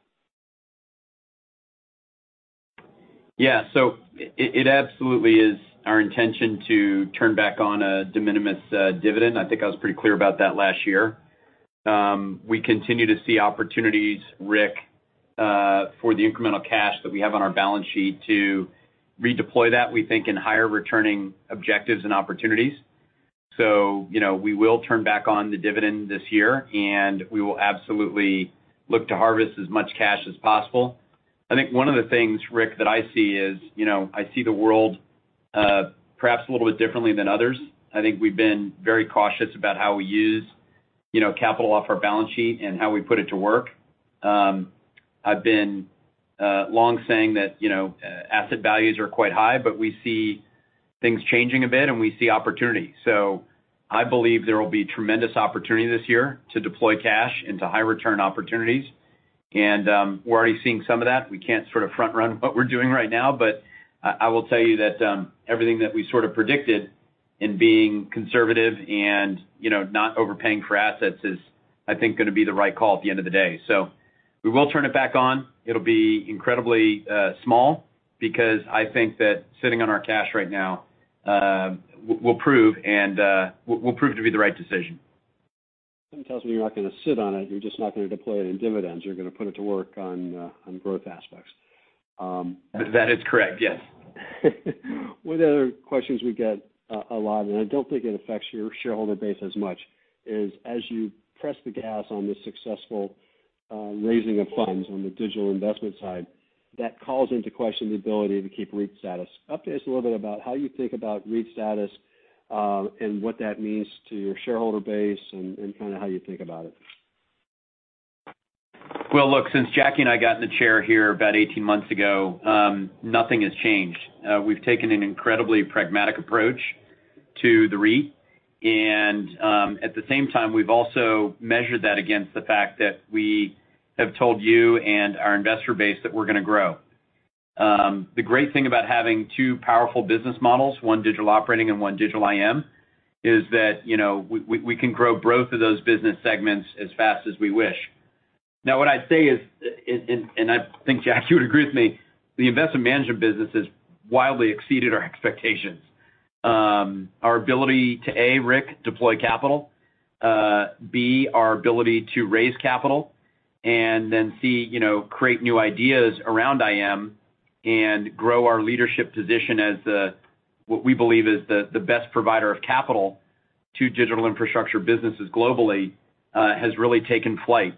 Yeah. It absolutely is our intention to turn back on a de minimis dividend. I think I was pretty clear about that last year. We continue to see opportunities, Ric, for the incremental cash that we have on our balance sheet to redeploy that, we think, in higher returning objectives and opportunities. You know, we will turn back on the dividend this year, and we will absolutely look to harvest as much cash as possible. I think one of the things, Ric, that I see is, you know, I see the world perhaps a little bit differently than others. I think we've been very cautious about how we use, you know, capital off our balance sheet and how we put it to work. I've been long saying that, you know, asset values are quite high, but we see things changing a bit, and we see opportunity. I believe there will be tremendous opportunity this year to deploy cash into high return opportunities. We're already seeing some of that. We can't sort of front run what we're doing right now, but I will tell you that everything that we sort of predicted in being conservative and, you know, not overpaying for assets is, I think, gonna be the right call at the end of the day. We will turn it back on. It'll be incredibly small because I think that sitting on our cash right now will prove to be the right decision. Something tells me you're not gonna sit on it. You're just not gonna deploy it in dividends. You're gonna put it to work on growth aspects. That is correct, yes. One of the other questions we get a lot, and I don't think it affects your shareholder base as much, is as you press the gas on the successful raising of funds on the digital investment side, that calls into question the ability to keep REIT status. Update us a little bit about how you think about REIT status, and what that means to your shareholder base and kinda how you think about it. Well, look, since Jacky and I got in the chair here about 18 months ago, nothing has changed. We've taken an incredibly pragmatic approach to the REIT. At the same time, we've also measured that against the fact that we have told you and our investor base that we're gonna grow. The great thing about having two powerful business models, one digital operating and one digital IM, is that, you know, we can grow both of those business segments as fast as we wish. Now, what I'd say is, and I think Jacky would agree with me, the investment management business has wildly exceeded our expectations. Our ability to A, Ric, deploy capital, B, our ability to raise capital, and then C, you know, create new ideas around IM and grow our leadership position as the what we believe is the best provider of capital to digital infrastructure businesses globally has really taken flight.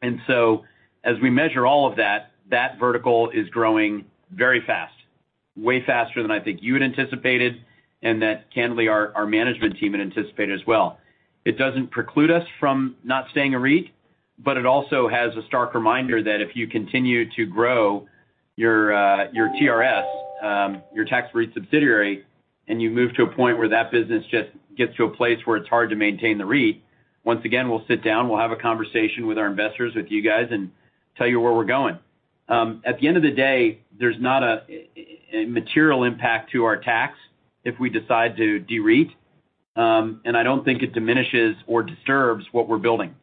As we measure all of that vertical is growing very fast, way faster than I think you had anticipated, and that candidly our management team had anticipated as well. It doesn't preclude us from not staying a REIT, but it also has a stark reminder that if you continue to grow your TRS, your tax REIT subsidiary, and you move to a point where that business just gets to a place where it's hard to maintain the REIT, once again, we'll sit down, we'll have a conversation with our investors, with you guys, and tell you where we're going. At the end of the day, there's not a material impact to our tax if we decide to de-REIT. I don't think it diminishes or disturbs what we're building.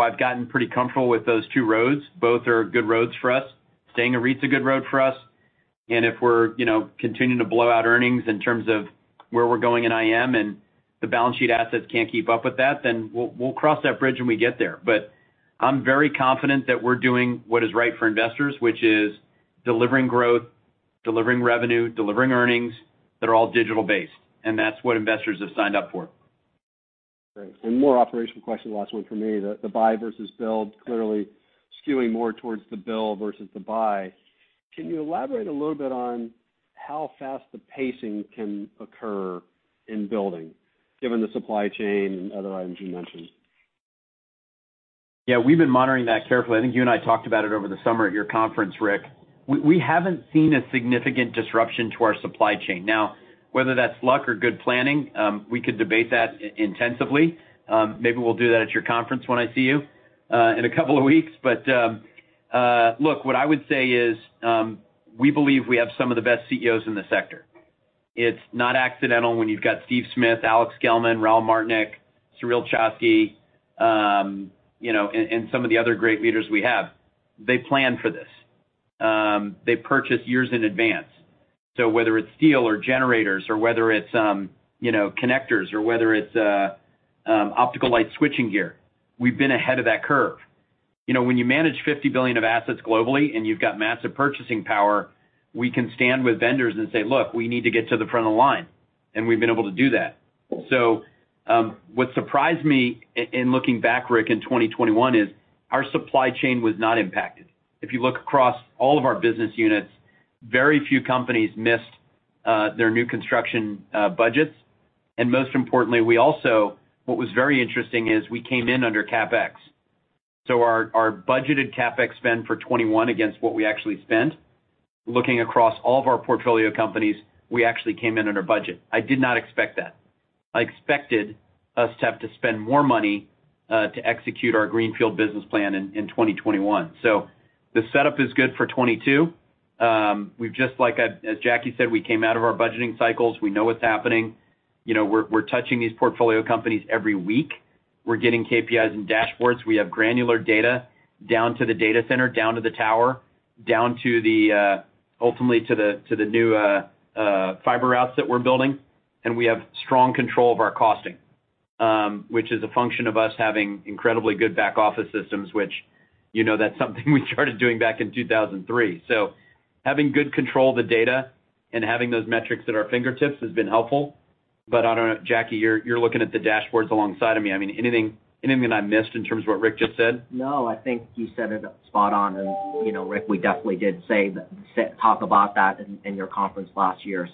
I've gotten pretty comfortable with those two roads. Both are good roads for us. Staying a REIT's a good road for us. If we're, you know, continuing to blow out earnings in terms of where we're going in IM and the balance sheet assets can't keep up with that, then we'll cross that bridge when we get there. I'm very confident that we're doing what is right for investors, which is delivering growth, delivering revenue, delivering earnings that are all digital-based, and that's what investors have signed up for. Great. More operational question, last one from me. The buy versus build clearly skewing more towards the build versus the buy. Can you elaborate a little bit on how fast the pacing can occur in building given the supply chain and other items you mentioned? Yeah, we've been monitoring that carefully. I think you and I talked about it over the summer at your conference, Ric. We haven't seen a significant disruption to our supply chain. Now, whether that's luck or good planning, we could debate that intensively. Maybe we'll do that at your conference when I see you in a couple of weeks. Look, what I would say is, we believe we have some of the best CEOs in the sector. It's not accidental when you've got Steve Smith, Alex Gellman, Raul Martynek, Sureel Choksi, you know, and some of the other great leaders we have. They plan for this. They purchase years in advance. Whether it's steel or generators or whether it's, you know, connectors or whether it's optical light switching gear, we've been ahead of that curve. You know, when you manage $50 billion of assets globally and you've got massive purchasing power, we can stand with vendors and say, "Look, we need to get to the front of the line." We've been able to do that. What surprised me in looking back, Ric, in 2021 is our supply chain was not impacted. If you look across all of our business units, very few companies missed their new construction budgets. Most importantly, what was very interesting is we came in under CapEx. Our budgeted CapEx spend for 2021 against what we actually spent, looking across all of our portfolio companies, we actually came in under budget. I did not expect that. I expected us to have to spend more money to execute our greenfield business plan in 2021. The setup is good for 2022. We've just, as Jacky said, we came out of our budgeting cycles. We know what's happening. You know, we're touching these portfolio companies every week. We're getting KPIs and dashboards. We have granular data down to the data center, down to the tower, down to ultimately, to the new fiber routes that we're building. We have strong control of our costing, which is a function of us having incredibly good back office systems, which, you know, that's something we started doing back in 2003. Having good control of the data and having those metrics at our fingertips has been helpful. I don't know. Jacky, you're looking at the dashboards alongside of me. I mean, anything that I missed in terms of what Ric just said? No, I think you said it spot on. You know, Ric, we definitely did talk about that in your conference last year.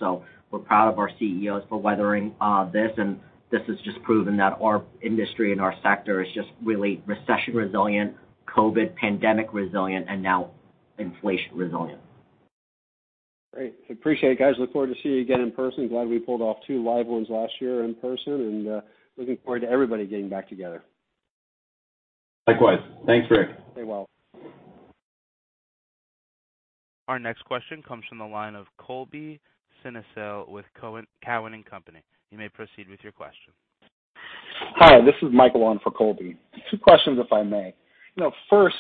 We're proud of our CEOs for weathering this, and this has just proven that our industry and our sector is just really recession resilient, COVID pandemic resilient, and now inflation resilient. Great. Appreciate it, guys. Look forward to seeing you again in person. Glad we pulled off two live ones last year in person and looking forward to everybody getting back together. Likewise. Thanks, Ric. Stay well. Our next question comes from the line of Colby Synesael with Cowen and Company. You may proceed with your question. Hi, this is Michael on for Colby. Two questions, if I may. You know, first,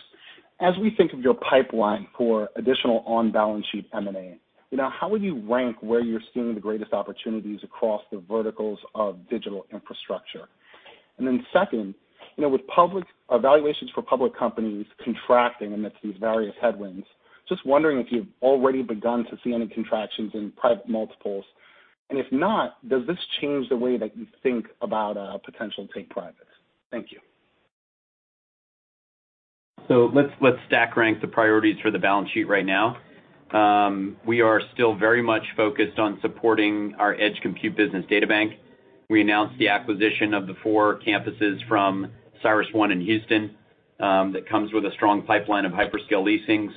as we think of your pipeline for additional on-balance sheet M&A, you know, how would you rank where you're seeing the greatest opportunities across the verticals of digital infrastructure? And then second, you know, with public valuations for public companies contracting amidst these various headwinds, just wondering if you've already begun to see any contractions in private multiples. And if not, does this change the way that you think about potential take privates? Thank you. Let's stack rank the priorities for the balance sheet right now. We are still very much focused on supporting our edge compute business DataBank. We announced the acquisition of the four campuses from CyrusOne in Houston that comes with a strong pipeline of hyperscale leasing.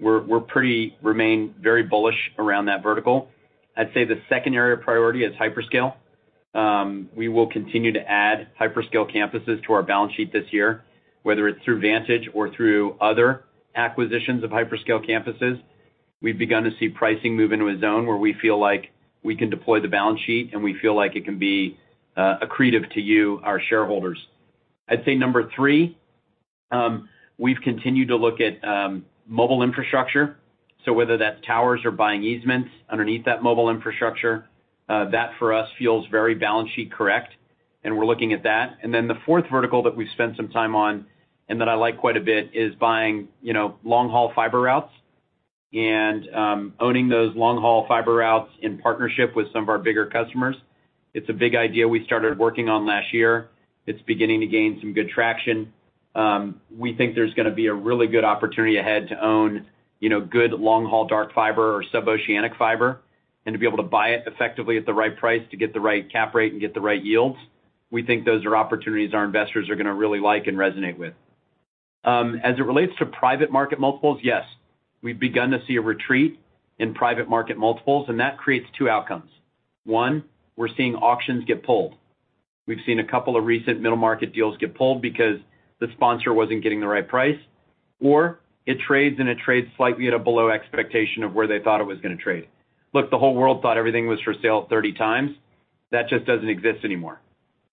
We remain very bullish around that vertical. I'd say the second area of priority is hyperscale. We will continue to add hyperscale campuses to our balance sheet this year, whether it's through Vantage or through other acquisitions of hyperscale campuses. We've begun to see pricing move into a zone where we feel like we can deploy the balance sheet, and we feel like it can be accretive to you, our shareholders. I'd say number three, we've continued to look at mobile infrastructure. Whether that's towers or buying easements underneath that mobile infrastructure, that for us feels very balance sheet correct, and we're looking at that. The fourth vertical that we've spent some time on and that I like quite a bit is buying, you know, long-haul fiber routes and owning those long-haul fiber routes in partnership with some of our bigger customers. It's a big idea we started working on last year. It's beginning to gain some good traction. We think there's gonna be a really good opportunity ahead to own, you know, good long-haul dark fiber or sub-oceanic fiber, and to be able to buy it effectively at the right price to get the right cap rate and get the right yields. We think those are opportunities our investors are gonna really like and resonate with. As it relates to private market multiples, yes, we've begun to see a retreat in private market multiples, and that creates two outcomes. One, we're seeing auctions get pulled. We've seen a couple of recent middle market deals get pulled because the sponsor wasn't getting the right price, or it trades slightly at a below expectation of where they thought it was gonna trade. Look, the whole world thought everything was for sale 30x. That just doesn't exist anymore.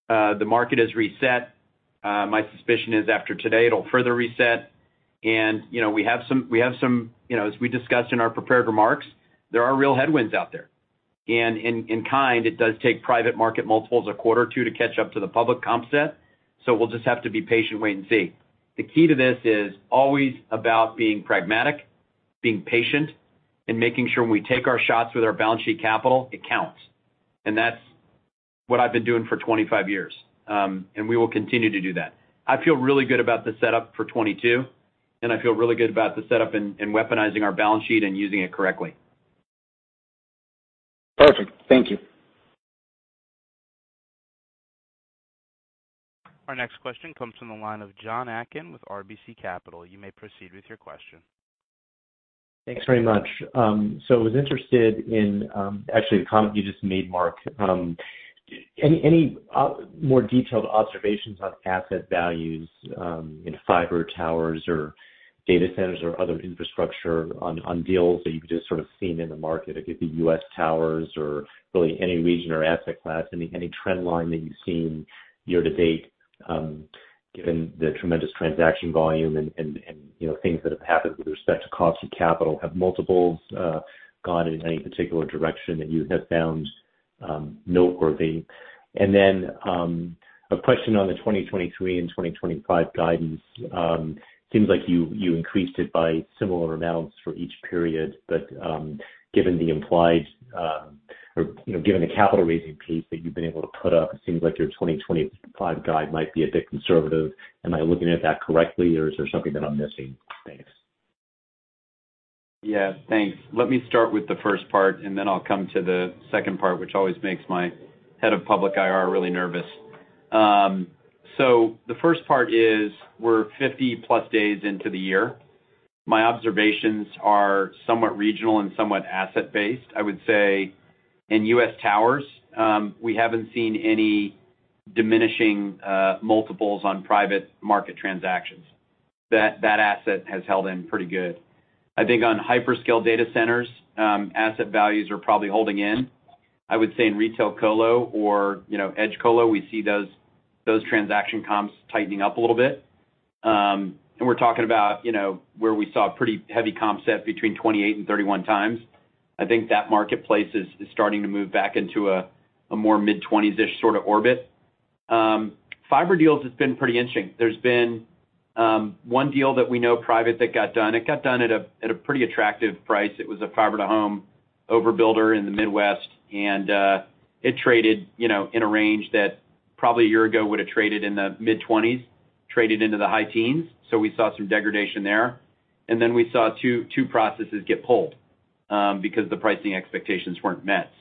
The market has reset. My suspicion is after today it'll further reset. You know, we have some you know, as we discussed in our prepared remarks, there are real headwinds out there. In kind, it does take private market multiples a quarter or two to catch up to the public comp set, so we'll just have to be patient, wait and see. The key to this is always about being pragmatic, being patient, and making sure when we take our shots with our balance sheet capital, it counts. That's what I've been doing for 25 years, and we will continue to do that. I feel really good about the setup for 2022, and I feel really good about the setup in weaponizing our balance sheet and using it correctly. Perfect. Thank you. Our next question comes from the line of Jonathan Atkin with RBC Capital. You may proceed with your question. Thanks very much. So I was interested in actually the comment you just made, Marc. Any more detailed observations on asset values in fiber towers or data centers or other infrastructure on deals that you've just sort of seen in the market, it could be U.S. towers or really any region or asset class, any trend line that you've seen year to date, given the tremendous transaction volume and you know, things that have happened with respect to cost of capital? Have multiples gone in any particular direction that you have found noteworthy? And then a question on the 2023 and 2025 guidance. Seems like you increased it by similar amounts for each period, but, you know, given the capital raising piece that you've been able to put up, it seems like your 2025 guide might be a bit conservative. Am I looking at that correctly, or is there something that I'm missing? Thanks. Yeah. Thanks. Let me start with the first part, and then I'll come to the second part, which always makes my head of public IR really nervous. So the first part is we're 50+ days into the year. My observations are somewhat regional and somewhat asset based. I would say in U.S. Towers, we haven't seen any diminishing multiples on private market transactions. That asset has held in pretty good. I think on hyperscale data centers, asset values are probably holding in. I would say in retail colo or, you know, edge colo, we see those transaction comps tightening up a little bit. We're talking about, you know, where we saw pretty heavy comp set between 28-31x. I think that marketplace is starting to move back into a more mid-20s-ish sorta orbit. Fiber deals have been pretty interesting. There's been one deal that we know private that got done. It got done at a pretty attractive price. It was a fiber to home overbuilder in the Midwest, and it traded, you know, in a range that probably a year ago would have traded in the mid-20s, traded into the high teens. We saw some degradation there. We saw two processes get pulled because the pricing expectations weren't met.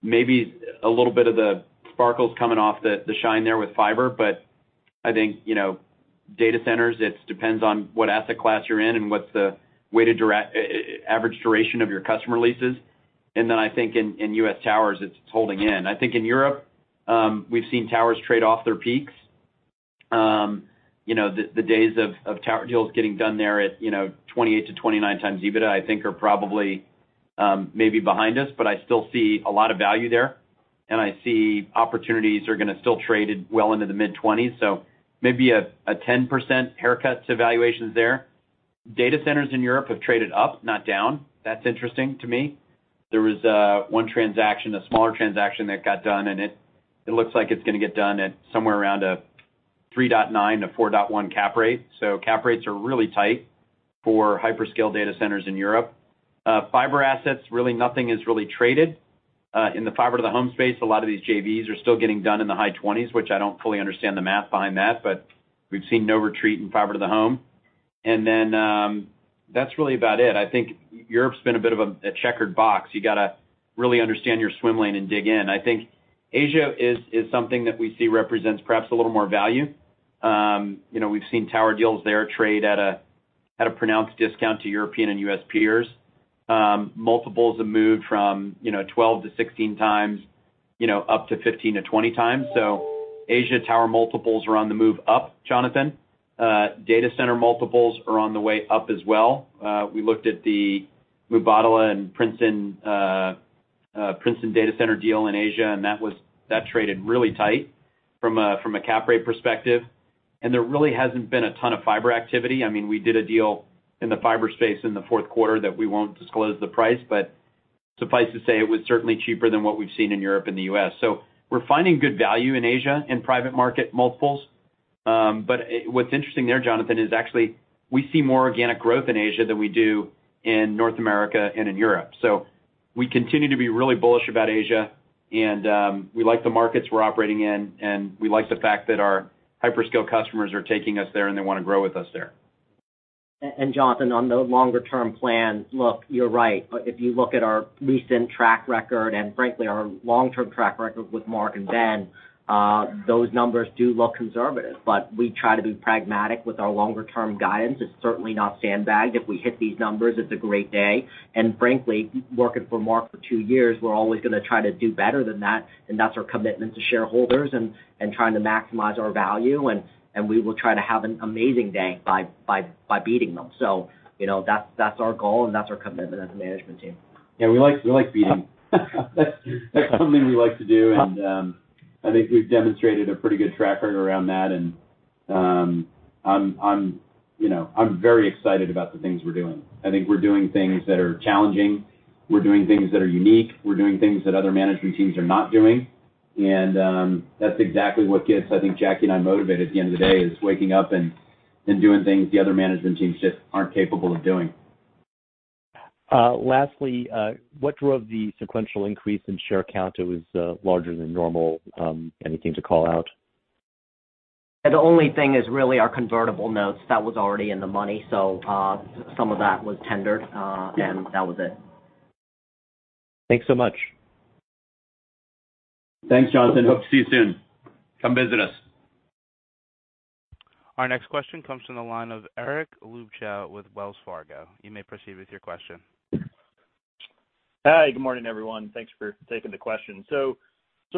Maybe a little bit of the sparkles coming off the shine there with fiber. I think, you know, data centers, it depends on what asset class you're in and what's the weighted average duration of your customer leases. I think in U.S. towers, it's holding in. I think in Europe, we've seen towers trade off their peaks. You know, the days of tower deals getting done there at 28-29x EBITDA, I think are probably maybe behind us, but I still see a lot of value there. I see opportunities are gonna still trade it well into the mid-20s. Maybe a 10% haircut to valuations there. Data centers in Europe have traded up, not down. That's interesting to me. There was one transaction, a smaller transaction that got done, and it looks like it's gonna get done at somewhere around a 3.9-4.1 cap rate. Cap rates are really tight for hyperscale data centers in Europe. Fiber assets, really nothing is traded. In the fiber to the home space, a lot of these JVs are still getting done in the high 20s, which I don't fully understand the math behind that, but we've seen no retreat in fiber to the home. Then, that's really about it. I think Europe's been a bit of a checkered box. You gotta really understand your swim lane and dig in. I think Asia is something that we see represents perhaps a little more value. You know, we've seen tower deals there trade at a pronounced discount to European and U.S. peers. Multiples have moved from, you know, 12x-16x, you know, up to 15x-20x. So Asia tower multiples are on the move up, Jonathan. Data center multiples are on the way up as well. We looked at the Mubadala and Princeton data center deal in Asia, and that traded really tight from a cap rate perspective. There really hasn't been a ton of fiber activity. I mean, we did a deal in the fiber space in the fourth quarter that we won't disclose the price, but suffice to say it was certainly cheaper than what we've seen in Europe and the U.S. We're finding good value in Asia in private market multiples. What's interesting there, Jonathan, is actually we see more organic growth in Asia than we do in North America and in Europe. We continue to be really bullish about Asia and we like the markets we're operating in, and we like the fact that our hyperscale customers are taking us there, and they wanna grow with us there. Jonathan, on the longer term plan, look, you're right. If you look at our recent track record and frankly our long-term track record with Marc and Ben, those numbers do look conservative. We try to be pragmatic with our longer term guidance. It's certainly not sandbagged. If we hit these numbers, it's a great day. Frankly, working for Marc for two years, we're always gonna try to do better than that, and that's our commitment to shareholders and trying to maximize our value and we will try to have an amazing day by beating them. You know, that's our goal and that's our commitment as a management team. Yeah, we like beating. That's something we like to do. I think we've demonstrated a pretty good track record around that. I'm, you know, very excited about the things we're doing. I think we're doing things that are challenging. We're doing things that are unique. We're doing things that other management teams are not doing. That's exactly what gets, I think, Jacky and I motivated at the end of the day, is waking up and doing things the other management teams just aren't capable of doing. Lastly, what drove the sequential increase in share count? It was larger than normal. Anything to call out? The only thing is really our convertible notes. That was already in the money. Some of that was tendered, and that was it. Thanks so much. Thanks, Jonathan. Hope to see you soon. Come visit us. Our next question comes from the line of Eric Luebchow with Wells Fargo. You may proceed with your question. Hi. Good morning, everyone. Thanks for taking the question.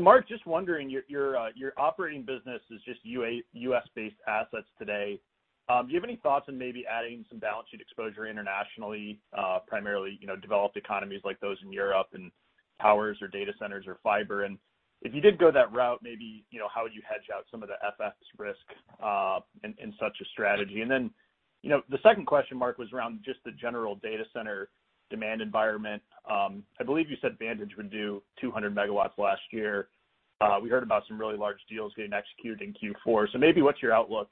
Marc, just wondering, your operating business is just U.S.-based assets today. Do you have any thoughts on maybe adding some balance sheet exposure internationally, primarily, you know, developed economies like those in Europe in towers or data centers or fiber? And if you did go that route, maybe, you know, how would you hedge out some of the FX risk in such a strategy? And then, you know, the second question, Marc, was around just the general data center demand environment. I believe you said Vantage would do 200 MW last year. We heard about some really large deals getting executed in Q4. Maybe what's your outlook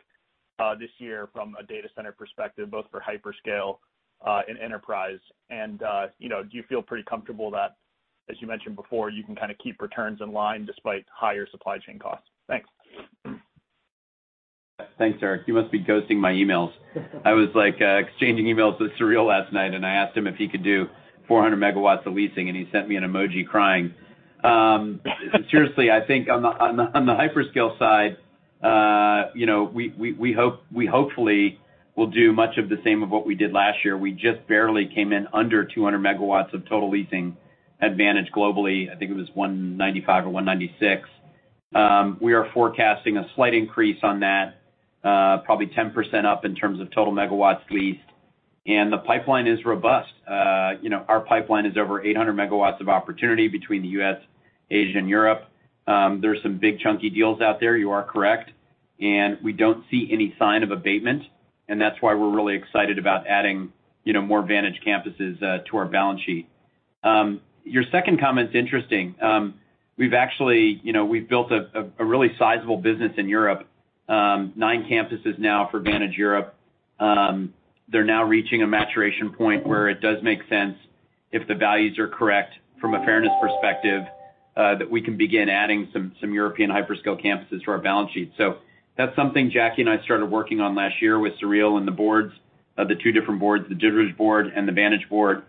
this year from a data center perspective, both for hyperscale and enterprise? You know, do you feel pretty comfortable that, as you mentioned before, you can kind of keep returns in line despite higher supply chain costs? Thanks. Thanks, Eric. You must be ghosting my emails. I was, like, exchanging emails with Sureel Choksi last night, and I asked him if he could do 400 MW of leasing, and he sent me an emoji crying. Seriously, I think on the hyperscale side, you know, we hopefully will do much of the same of what we did last year. We just barely came in under 200 MW of total leasing at Vantage globally. I think it was 195 or 196. We are forecasting a slight increase on that, probably 10% up in terms of total megawatts leased. The pipeline is robust. You know, our pipeline is over 800 MW of opportunity between the U.S., Asia, and Europe. There's some big chunky deals out there, you are correct. We don't see any sign of abatement, and that's why we're really excited about adding, you know, more Vantage campuses to our balance sheet. Your second comment's interesting. We've actually, you know, we've built a really sizable business in Europe, nine campuses now for Vantage Europe. They're now reaching a maturation point where it does make sense if the values are correct from a fairness perspective that we can begin adding some European hyperscale campuses to our balance sheet. That's something Jacky and I started working on last year with Sureel and the boards, the two different boards, the DigitalBridge board and the Vantage board.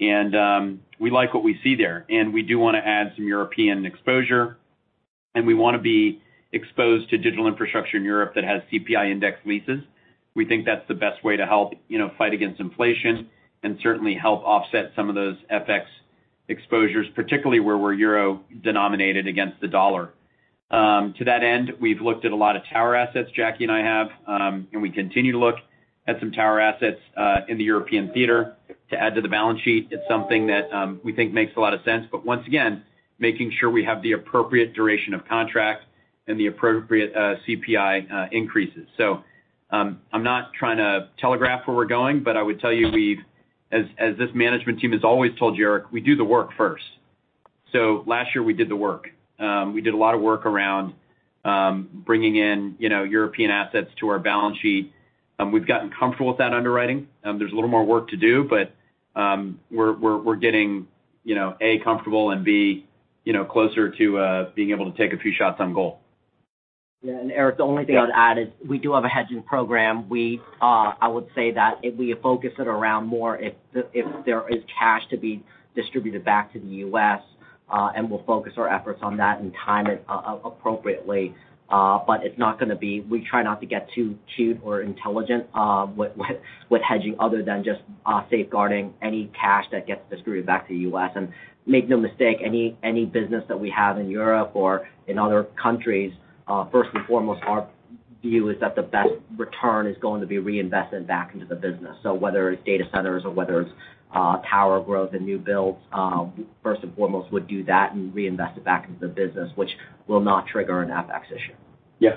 We like what we see there. We do wanna add some European exposure, and we wanna be exposed to digital infrastructure in Europe that has CPI indexed leases. We think that's the best way to help, you know, fight against inflation and certainly help offset some of those FX exposures, particularly where we're euro denominated against the dollar. To that end, we've looked at a lot of tower assets, Jacky and I have, and we continue to look at some tower assets in the European theater to add to the balance sheet. It's something that we think makes a lot of sense, once again making sure we have the appropriate duration of contract and the appropriate CPI increases. I'm not trying to telegraph where we're going, but I would tell you as this management team has always told you, Eric, we do the work first. Last year, we did the work. We did a lot of work around, you know, bringing in European assets to our balance sheet. We've gotten comfortable with that underwriting. There's a little more work to do, but we're getting, you know, A, comfortable, and B, you know, closer to being able to take a few shots on goal. Yeah. Eric, the only thing I would add is we do have a hedging program. We, I would say that if we focus it around more, if there is cash to be distributed back to the U.S., and we'll focus our efforts on that and time it appropriately. It's not gonna be. We try not to get too cute or intelligent with hedging other than just safeguarding any cash that gets distributed back to U.S. Make no mistake, any business that we have in Europe or in other countries, first and foremost, our view is that the best return is going to be reinvested back into the business. whether it's data centers or whether it's power growth and new builds, first and foremost, we'll do that and reinvest it back into the business, which will not trigger an FX issue. Yeah.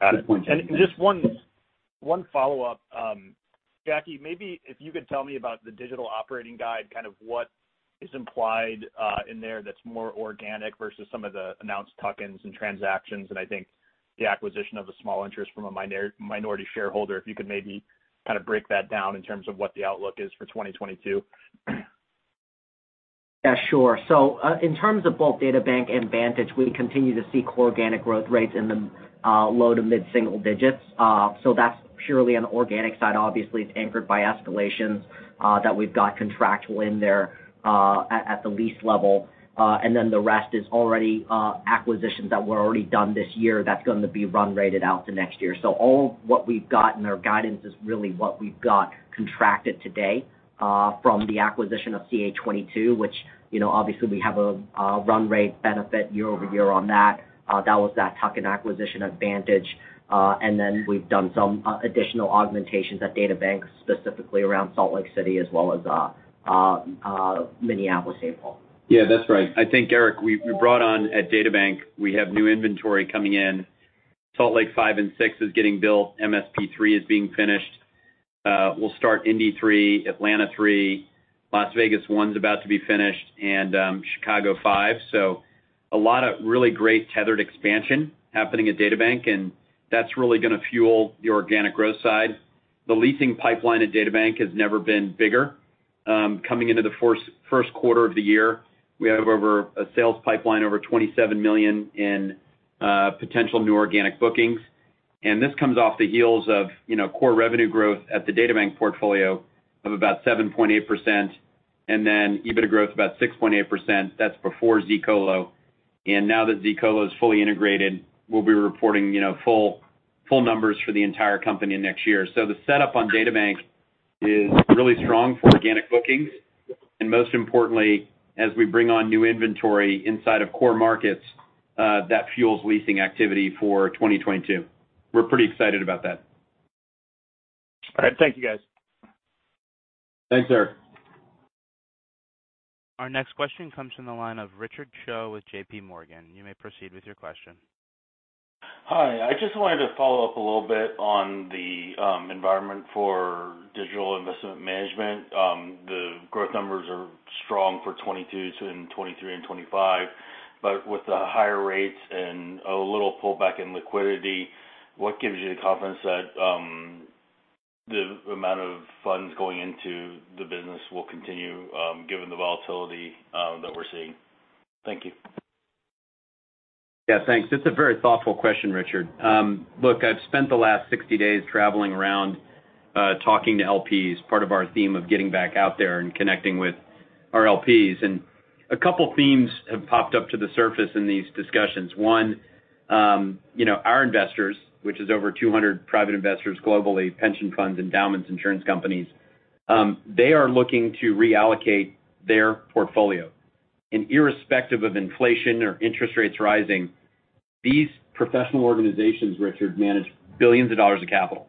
Got it. Just one follow-up. Jacky, maybe if you could tell me about the digital operating guide, kind of what is implied in there that's more organic versus some of the announced tuck-ins and transactions, and I think the acquisition of the small interest from a minority shareholder. If you could maybe kind of break that down in terms of what the outlook is for 2022. Yeah, sure. In terms of both DataBank and Vantage, we continue to see core organic growth rates in the low- to mid-single digits. That's purely on the organic side. Obviously, it's anchored by escalations that we've got contractual in there at the lease level. The rest is already acquisitions that were already done this year that's gonna be run rated out to next year. All what we've got in our guidance is really what we've got contracted today from the acquisition of CA22, which, you know, obviously we have a run rate benefit year over year on that. That was the tuck-in acquisition advantage. We've done some additional augmentations at DataBank, specifically around Salt Lake City as well as Minneapolis-St. Paul. Yeah, that's right. I think, Eric, we brought on at DataBank, we have new inventory coming in. Salt Lake 5 and 6 is getting built. MSP 3 is being finished. We'll start Indy 3, Atlanta 3, Las Vegas 1's about to be finished, and Chicago 5. So a lot of really great tethered expansion happening at DataBank, and that's really gonna fuel the organic growth side. The leasing pipeline at DataBank has never been bigger. Coming into the first quarter of the year, we have over a sales pipeline over $27 million in potential new organic bookings. This comes off the heels of, you know, core revenue growth at the DataBank portfolio of about 7.8%, and then EBITDA growth about 6.8%. That's before zColo. Now that zColo is fully integrated, we'll be reporting, you know, full numbers for the entire company next year. The setup on DataBank is really strong for organic bookings. Most importantly, as we bring on new inventory inside of core markets, that fuels leasing activity for 2022. We're pretty excited about that. All right. Thank you, guys. Thanks, Eric. Our next question comes from the line of Richard Choe with JPMorgan. You may proceed with your question. Hi. I just wanted to follow up a little bit on the environment for digital investment management. The growth numbers are strong for 2022, 2023, and 2025, but with the higher rates and a little pullback in liquidity, what gives you the confidence that the amount of funds going into the business will continue, given the volatility that we're seeing? Thank you. Yeah, thanks. It's a very thoughtful question, Richard. Look, I've spent the last 60 days traveling around, talking to LPs, part of our theme of getting back out there and connecting with our LPs. A couple themes have popped up to the surface in these discussions. One, you know, our investors, which is over 200 private investors globally, pension funds, endowments, insurance companies, they are looking to reallocate their portfolio. Irrespective of inflation or interest rates rising, these professional organizations, Richard, manage billions of dollars of capital.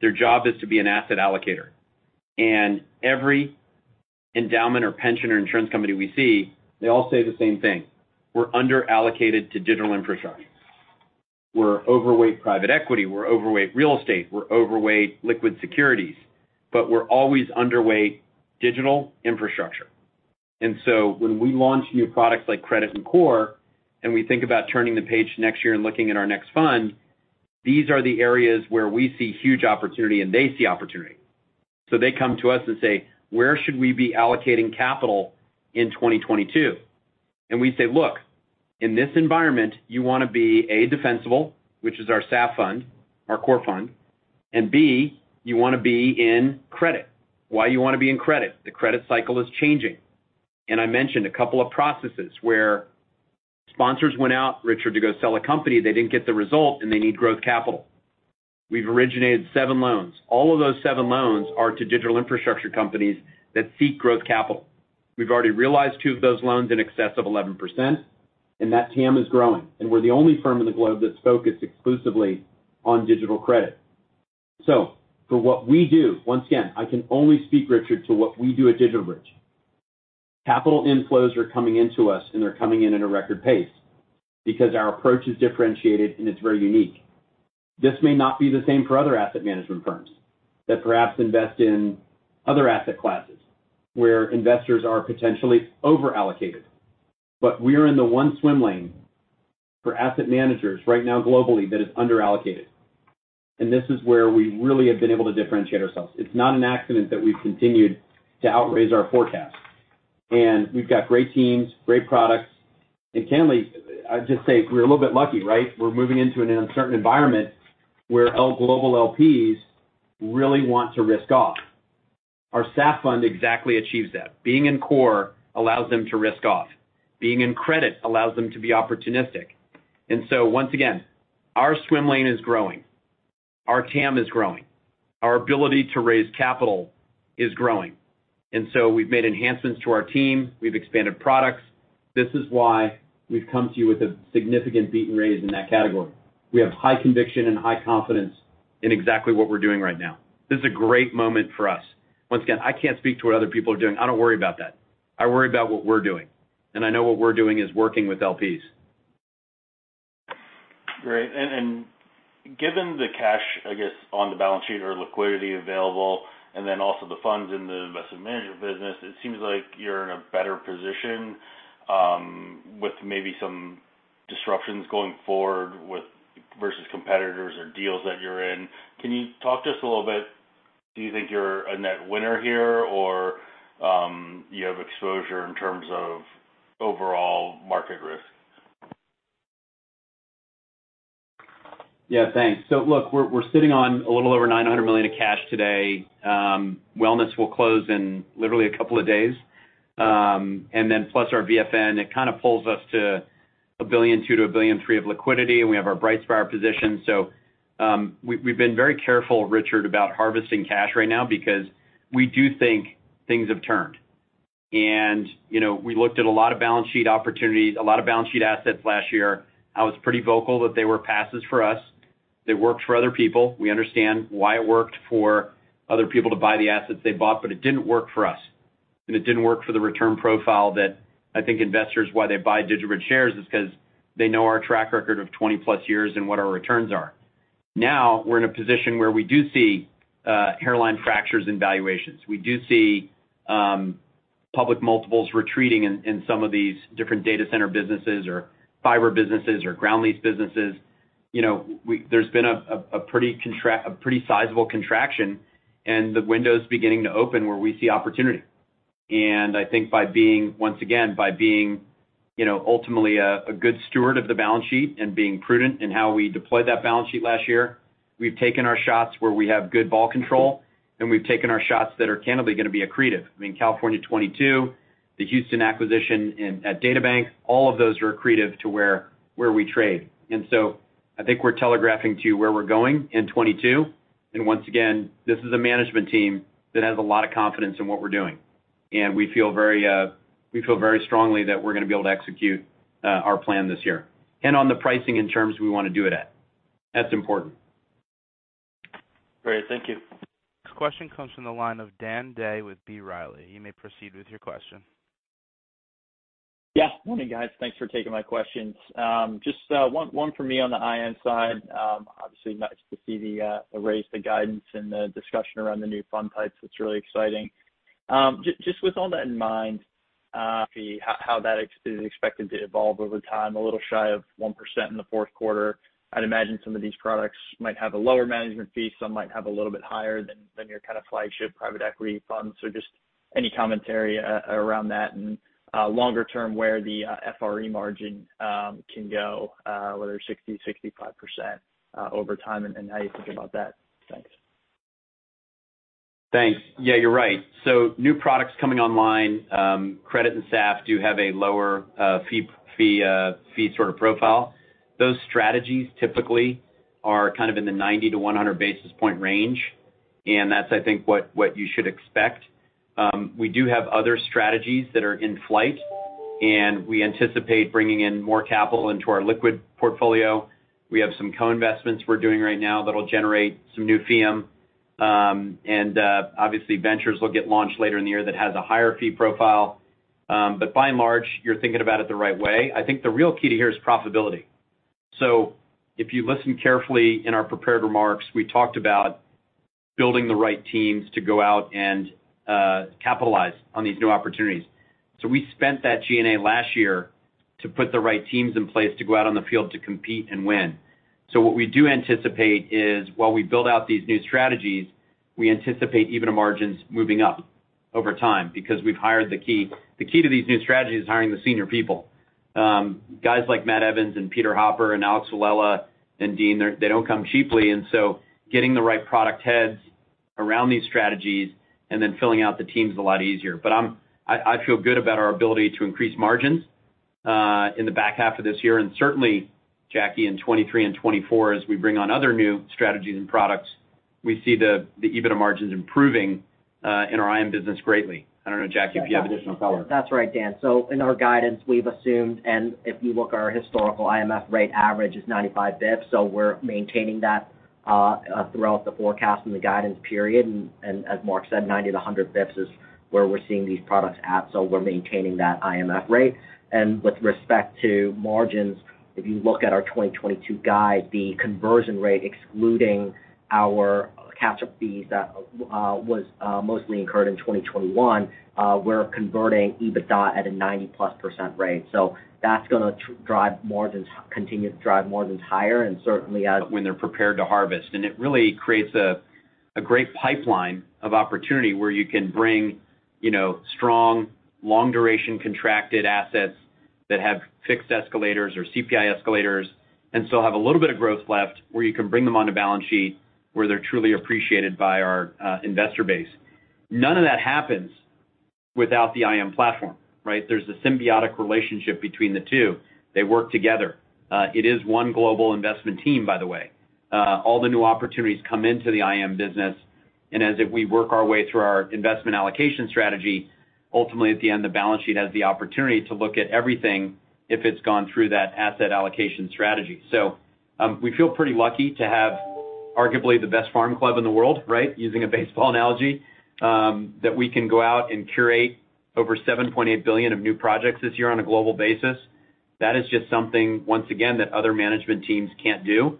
Their job is to be an asset allocator. Every endowment or pension or insurance company we see, they all say the same thing. We're underallocated to digital infrastructure. We're overweight private equity, we're overweight real estate, we're overweight liquid securities, but we're always underweight digital infrastructure. When we launch new products like credit and core, and we think about turning the page next year and looking at our next fund, these are the areas where we see huge opportunity and they see opportunity. They come to us and say, "Where should we be allocating capital in 2022?" We say, "Look, in this environment, you wanna be, A, defensible, which is our SAFE fund, our core fund, and B, you wanna be in credit." Why you wanna be in credit? The credit cycle is changing. I mentioned a couple of processes where sponsors went out, Richard, to go sell a company, they didn't get the result, and they need growth capital. We've originated seven loans. All of those seven loans are to digital infrastructure companies that seek growth capital. We've already realized two of those loans in excess of 11%, and that TAM is growing, and we're the only firm in the globe that's focused exclusively on digital credit. For what we do, once again, I can only speak, Richard, to what we do at DigitalBridge. Capital inflows are coming into us, and they're coming in at a record pace because our approach is differentiated and it's very unique. This may not be the same for other asset management firms that perhaps invest in other asset classes, where investors are potentially over-allocated. We are in the one swim lane for asset managers right now globally that is under-allocated. This is where we really have been able to differentiate ourselves. It's not an accident that we've continued to outraise our forecast. We've got great teams, great products. Candidly, I'd just say we're a little bit lucky, right? We're moving into an uncertain environment where global LPs really want to risk off. Our SAF fund exactly achieves that. Being in core allows them to risk off. Being in credit allows them to be opportunistic. Once again, our swim lane is growing, our TAM is growing, our ability to raise capital is growing. We've made enhancements to our team. We've expanded products. This is why we've come to you with a significant beat and raise in that category. We have high conviction and high confidence in exactly what we're doing right now. This is a great moment for us. Once again, I can't speak to what other people are doing. I don't worry about that. I worry about what we're doing, and I know what we're doing is working with LPs. Great. Given the cash, I guess, on the balance sheet or liquidity available and then also the funds in the investment management business, it seems like you're in a better position with maybe some disruptions going forward with versus competitors or deals that you're in. Can you talk to us a little bit? Do you think you're a net winner here or you have exposure in terms of overall market risk? Yeah, thanks. Look, we're sitting on a little over $900 million of cash today. Wellness will close in literally a couple of days. Then plus our VFN, it kind of pulls us to $1.2 billion-$1.3 billion of liquidity, and we have our BrightSpire position. We've been very careful, Richard, about harvesting cash right now because we do think things have turned. You know, we looked at a lot of balance sheet opportunities, a lot of balance sheet assets last year. I was pretty vocal that they were passes for us. They worked for other people. We understand why it worked for other people to buy the assets they bought, but it didn't work for us. It didn't work for the return profile that I think investors, why they buy DigitalBridge shares is 'cause they know our track record of 20+ years and what our returns are. Now, we're in a position where we do see hairline fractures in valuations. We do see public multiples retreating in some of these different data center businesses or fiber businesses or ground lease businesses. You know, there's been a pretty sizable contraction, and the window's beginning to open where we see opportunity. I think by being, once again, you know, ultimately a good steward of the balance sheet and being prudent in how we deployed that balance sheet last year, we've taken our shots where we have good ball control, and we've taken our shots that are candidly gonna be accretive. I mean, CA22, the Houston acquisition and at DataBank, all of those are accretive to where we trade. I think we're telegraphing to you where we're going in '2022. Once again, this is a management team that has a lot of confidence in what we're doing. We feel very strongly that we're gonna be able to execute our plan this year. On the pricing and terms we wanna do it at. That's important. Great. Thank you. Next question comes from the line of Dan Day with B. Riley. You may proceed with your question. Yeah. Morning, guys. Thanks for taking my questions. Just one for me on the high-end side. Obviously nice to see the raise, the guidance and the discussion around the new fund types. It's really exciting. Just with all that in mind, how that is expected to evolve over time, a little shy of 1% in the fourth quarter. I'd imagine some of these products might have a lower management fee, some might have a little bit higher than your kind of flagship private equity funds. Just any commentary around that and longer term, where the FRE margin can go, whether 60%-65% over time and how you think about that. Thanks. Thanks. Yeah, you're right. New products coming online, credit and SAF do have a lower fee sort of profile. Those strategies typically are kind of in the 90-100 basis point range, and that's, I think, what you should expect. We do have other strategies that are in flight, and we anticipate bringing in more capital into our liquid portfolio. We have some co-investments we're doing right now that'll generate some new fee income. Obviously, ventures will get launched later in the year that has a higher fee profile. By and large, you're thinking about it the right way. I think the real key here is profitability. If you listen carefully in our prepared remarks, we talked about building the right teams to go out and capitalize on these new opportunities. We spent that G&A last year to put the right teams in place to go out on the field to compete and win. What we do anticipate is while we build out these new strategies, we anticipate EBITDA margins moving up over time because we've hired the key. The key to these new strategies is hiring the senior people. Guys like Matt Evans and Peter Hopper and Alex Villella and Dean, they don't come cheaply, and so getting the right product heads around these strategies and then filling out the team is a lot easier. I feel good about our ability to increase margins in the back half of this year. Certainly, Jacky, in 2023 and 2024, as we bring on other new strategies and products, we see the EBITDA margins improving in our IM business greatly. I don't know, Jacky, if you have additional color. That's right, Dan. In our guidance, we've assumed, and if you look at our historical IM fee rate average is 95 basis points, we're maintaining that throughout the forecast and the guidance period. As Marc said, 90-100 basis points is where we're seeing these products at, so we're maintaining that IM fee rate. With respect to margins, if you look at our 2022 guide, the conversion rate, excluding our catch-up fees that was mostly incurred in 2021, we're converting EBITDA at a 90+% rate. That's gonna continue to drive margins higher, and certainly as- When they're prepared to harvest. It really creates a great pipeline of opportunity where you can bring. You know, strong, long duration contracted assets that have fixed escalators or CPI escalators, and still have a little bit of growth left where you can bring them onto balance sheet, where they're truly appreciated by our investor base. None of that happens without the IM platform, right? There's a symbiotic relationship between the two. They work together. It is one global investment team, by the way. All the new opportunities come into the IM business, and as we work our way through our investment allocation strategy, ultimately at the end, the balance sheet has the opportunity to look at everything if it's gone through that asset allocation strategy. We feel pretty lucky to have arguably the best farm club in the world, right, using a baseball analogy, that we can go out and curate over $7.8 billion of new projects this year on a global basis. That is just something once again, that other management teams can't do.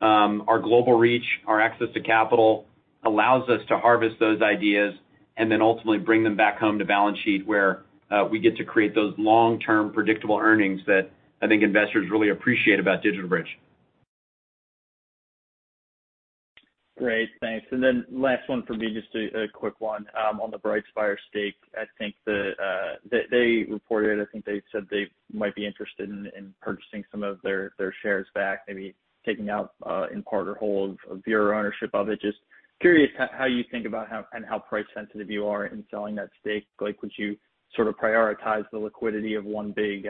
Our global reach, our access to capital allows us to harvest those ideas and then ultimately bring them back home to balance sheet, where we get to create those long-term predictable earnings that I think investors really appreciate about DigitalBridge. Great, thanks. Then last one for me, just a quick one on the BrightSpire stake. I think they reported, I think they said they might be interested in purchasing some of their shares back, maybe taking out in part or whole of your ownership of it. Just curious how you think about how and how price sensitive you are in selling that stake. Like, would you sort of prioritize the liquidity of one big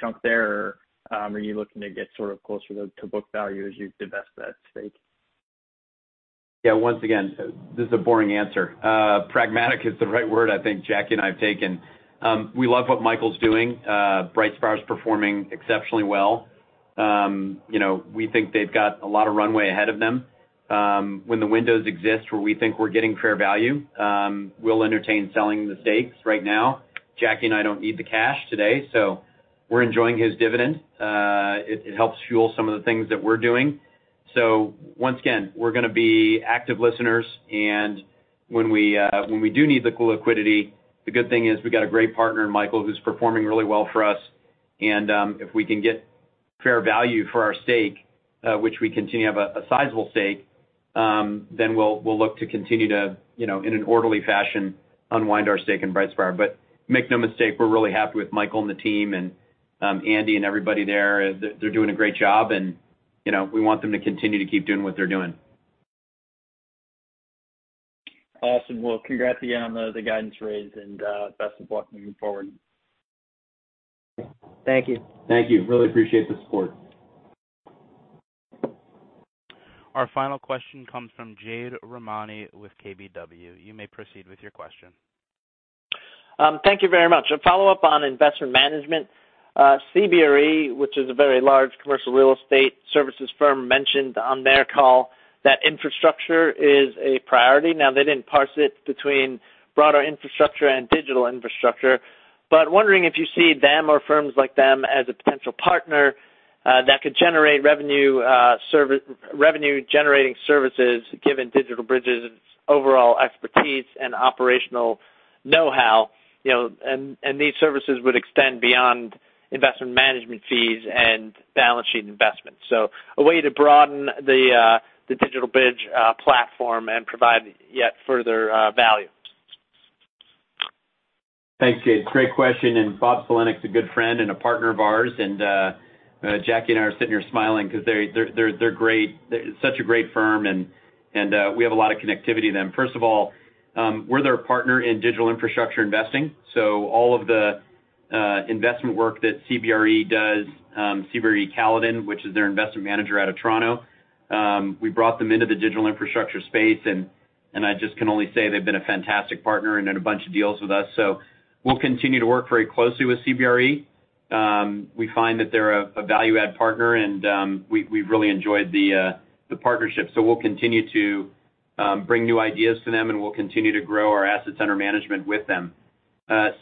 chunk there? Or are you looking to get sort of closer to book value as you divest that stake? Yeah. Once again, this is a boring answer. Pragmatic is the right word I think Jacky and I have taken. We love what Michael's doing. BrightSpire is performing exceptionally well. You know, we think they've got a lot of runway ahead of them. When the windows exist, where we think we're getting fair value, we'll entertain selling the stakes. Right now, Jacky and I don't need the cash today, so we're enjoying his dividend. It helps fuel some of the things that we're doing. Once again, we're gonna be active listeners and when we do need the cool liquidity, the good thing is we've got a great partner in Michael who's performing really well for us. If we can get fair value for our stake, which we continue to have a sizable stake, then we'll look to continue to, you know, in an orderly fashion, unwind our stake in BrightSpire. Make no mistake, we're really happy with Michael and the team and, Andy and everybody there. They're doing a great job and, you know, we want them to continue to keep doing what they're doing. Awesome. Well, congrats again on the guidance raise and best of luck moving forward. Thank you. Thank you. Really appreciate the support. Our final question comes from Jade Rahmani with KBW. You may proceed with your question. Thank you very much. A follow-up on investment management. CBRE, which is a very large commercial real estate services firm, mentioned on their call that infrastructure is a priority. Now, they didn't parse it between broader infrastructure and digital infrastructure. Wondering if you see them or firms like them as a potential partner that could generate revenue generating services given DigitalBridge's overall expertise and operational know-how, and these services would extend beyond investment management fees and balance sheet investments. A way to broaden the DigitalBridge platform and provide yet further value. Thanks, Jade. Great question. Bob Sulentic's a good friend and a partner of ours. Jacky and I are sitting here smiling 'cause they're such a great firm and we have a lot of connectivity to them. First of all, we're their partner in digital infrastructure investing. All of the investment work that CBRE does, CBRE Caledon, which is their investment manager out of Toronto, we brought them into the digital infrastructure space, and I just can only say they've been a fantastic partner and done a bunch of deals with us. We'll continue to work very closely with CBRE. We find that they're a value add partner, and we've really enjoyed the partnership. We'll continue to bring new ideas to them, and we'll continue to grow our assets under management with them.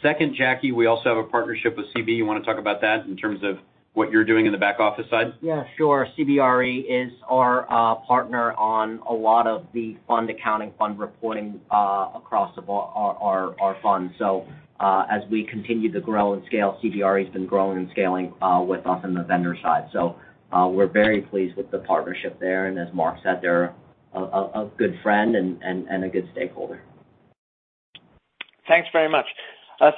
Second, Jacky, we also have a partnership with CB. You wanna talk about that in terms of what you're doing in the back office side? Yeah, sure. CBRE is our partner on a lot of the fund accounting, fund reporting, across our funds. We're very pleased with the partnership there, and as Marc said, they're a good friend and a good stakeholder. Thanks very much.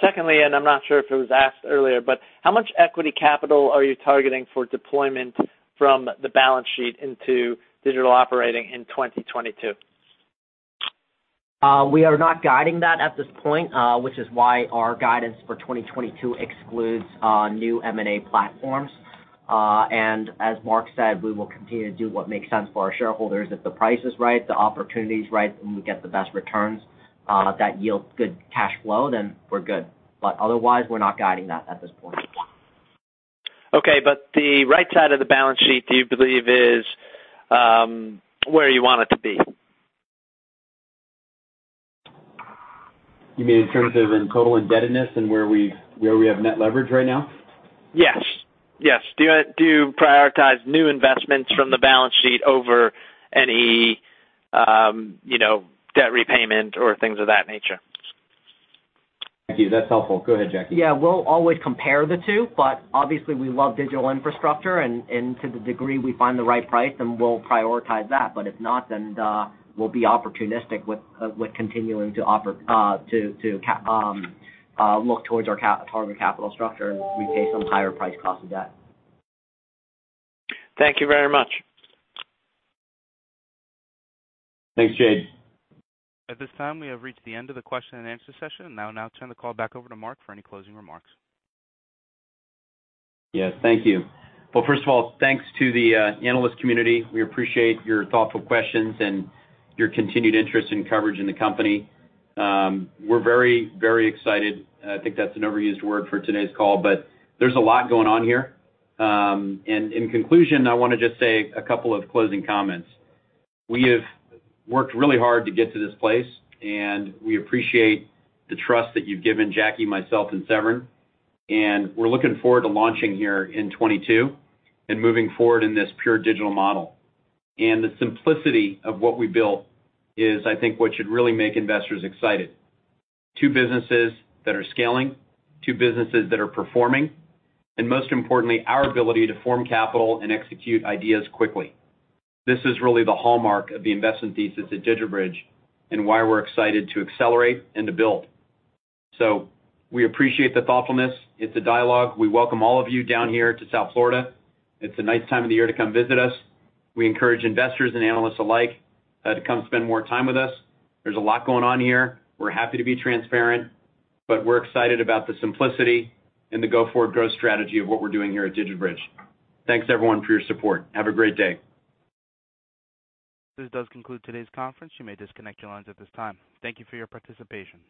Secondly, I'm not sure if it was asked earlier, but how much equity capital are you targeting for deployment from the balance sheet into digital operations in 2022? We are not guiding that at this point, which is why our guidance for 2022 excludes new M&A platforms. As Marc said, we will continue to do what makes sense for our shareholders. If the price is right, the opportunity is right, and we get the best returns that yields good cash flow, then we're good. Otherwise, we're not guiding that at this point. Okay. The right side of the balance sheet, do you believe is where you want it to be? You mean in terms of total indebtedness and where we have net leverage right now? Yes. Do you prioritize new investments from the balance sheet over any, you know, debt repayment or things of that nature? Thank you. That's helpful. Go ahead, Jacky. Yeah, we'll always compare the two, but obviously, we love digital infrastructure and to the degree we find the right price, then we'll prioritize that. If not, then we'll be opportunistic with continuing to offer to look towards our capital structure and repay some higher-priced cost of debt. Thank you very much. Thanks, Jade. At this time, we have reached the end of the question and answer session. Now I'll turn the call back over to Marc for any closing remarks. Yes, thank you. Well, first of all, thanks to the analyst community. We appreciate your thoughtful questions and your continued interest and coverage in the company. We're very, very excited. I think that's an overused word for today's call, but there's a lot going on here. In conclusion, I wanna just say a couple of closing comments. We have worked really hard to get to this place, and we appreciate the trust that you've given Jacky, myself, and Severn. We're looking forward to launching here in 2022 and moving forward in this pure digital model. The simplicity of what we built is, I think, what should really make investors excited. Two businesses that are scaling, two businesses that are performing, and most importantly, our ability to form capital and execute ideas quickly. This is really the hallmark of the investment thesis at DigitalBridge and why we're excited to accelerate and to build. We appreciate the thoughtfulness. It's a dialogue. We welcome all of you down here to South Florida. It's a nice time of the year to come visit us. We encourage investors and analysts alike to come spend more time with us. There's a lot going on here. We're happy to be transparent, but we're excited about the simplicity and the go-forward growth strategy of what we're doing here at DigitalBridge. Thanks everyone for your support. Have a great day. This does conclude today's conference. You may disconnect your lines at this time. Thank you for your participation.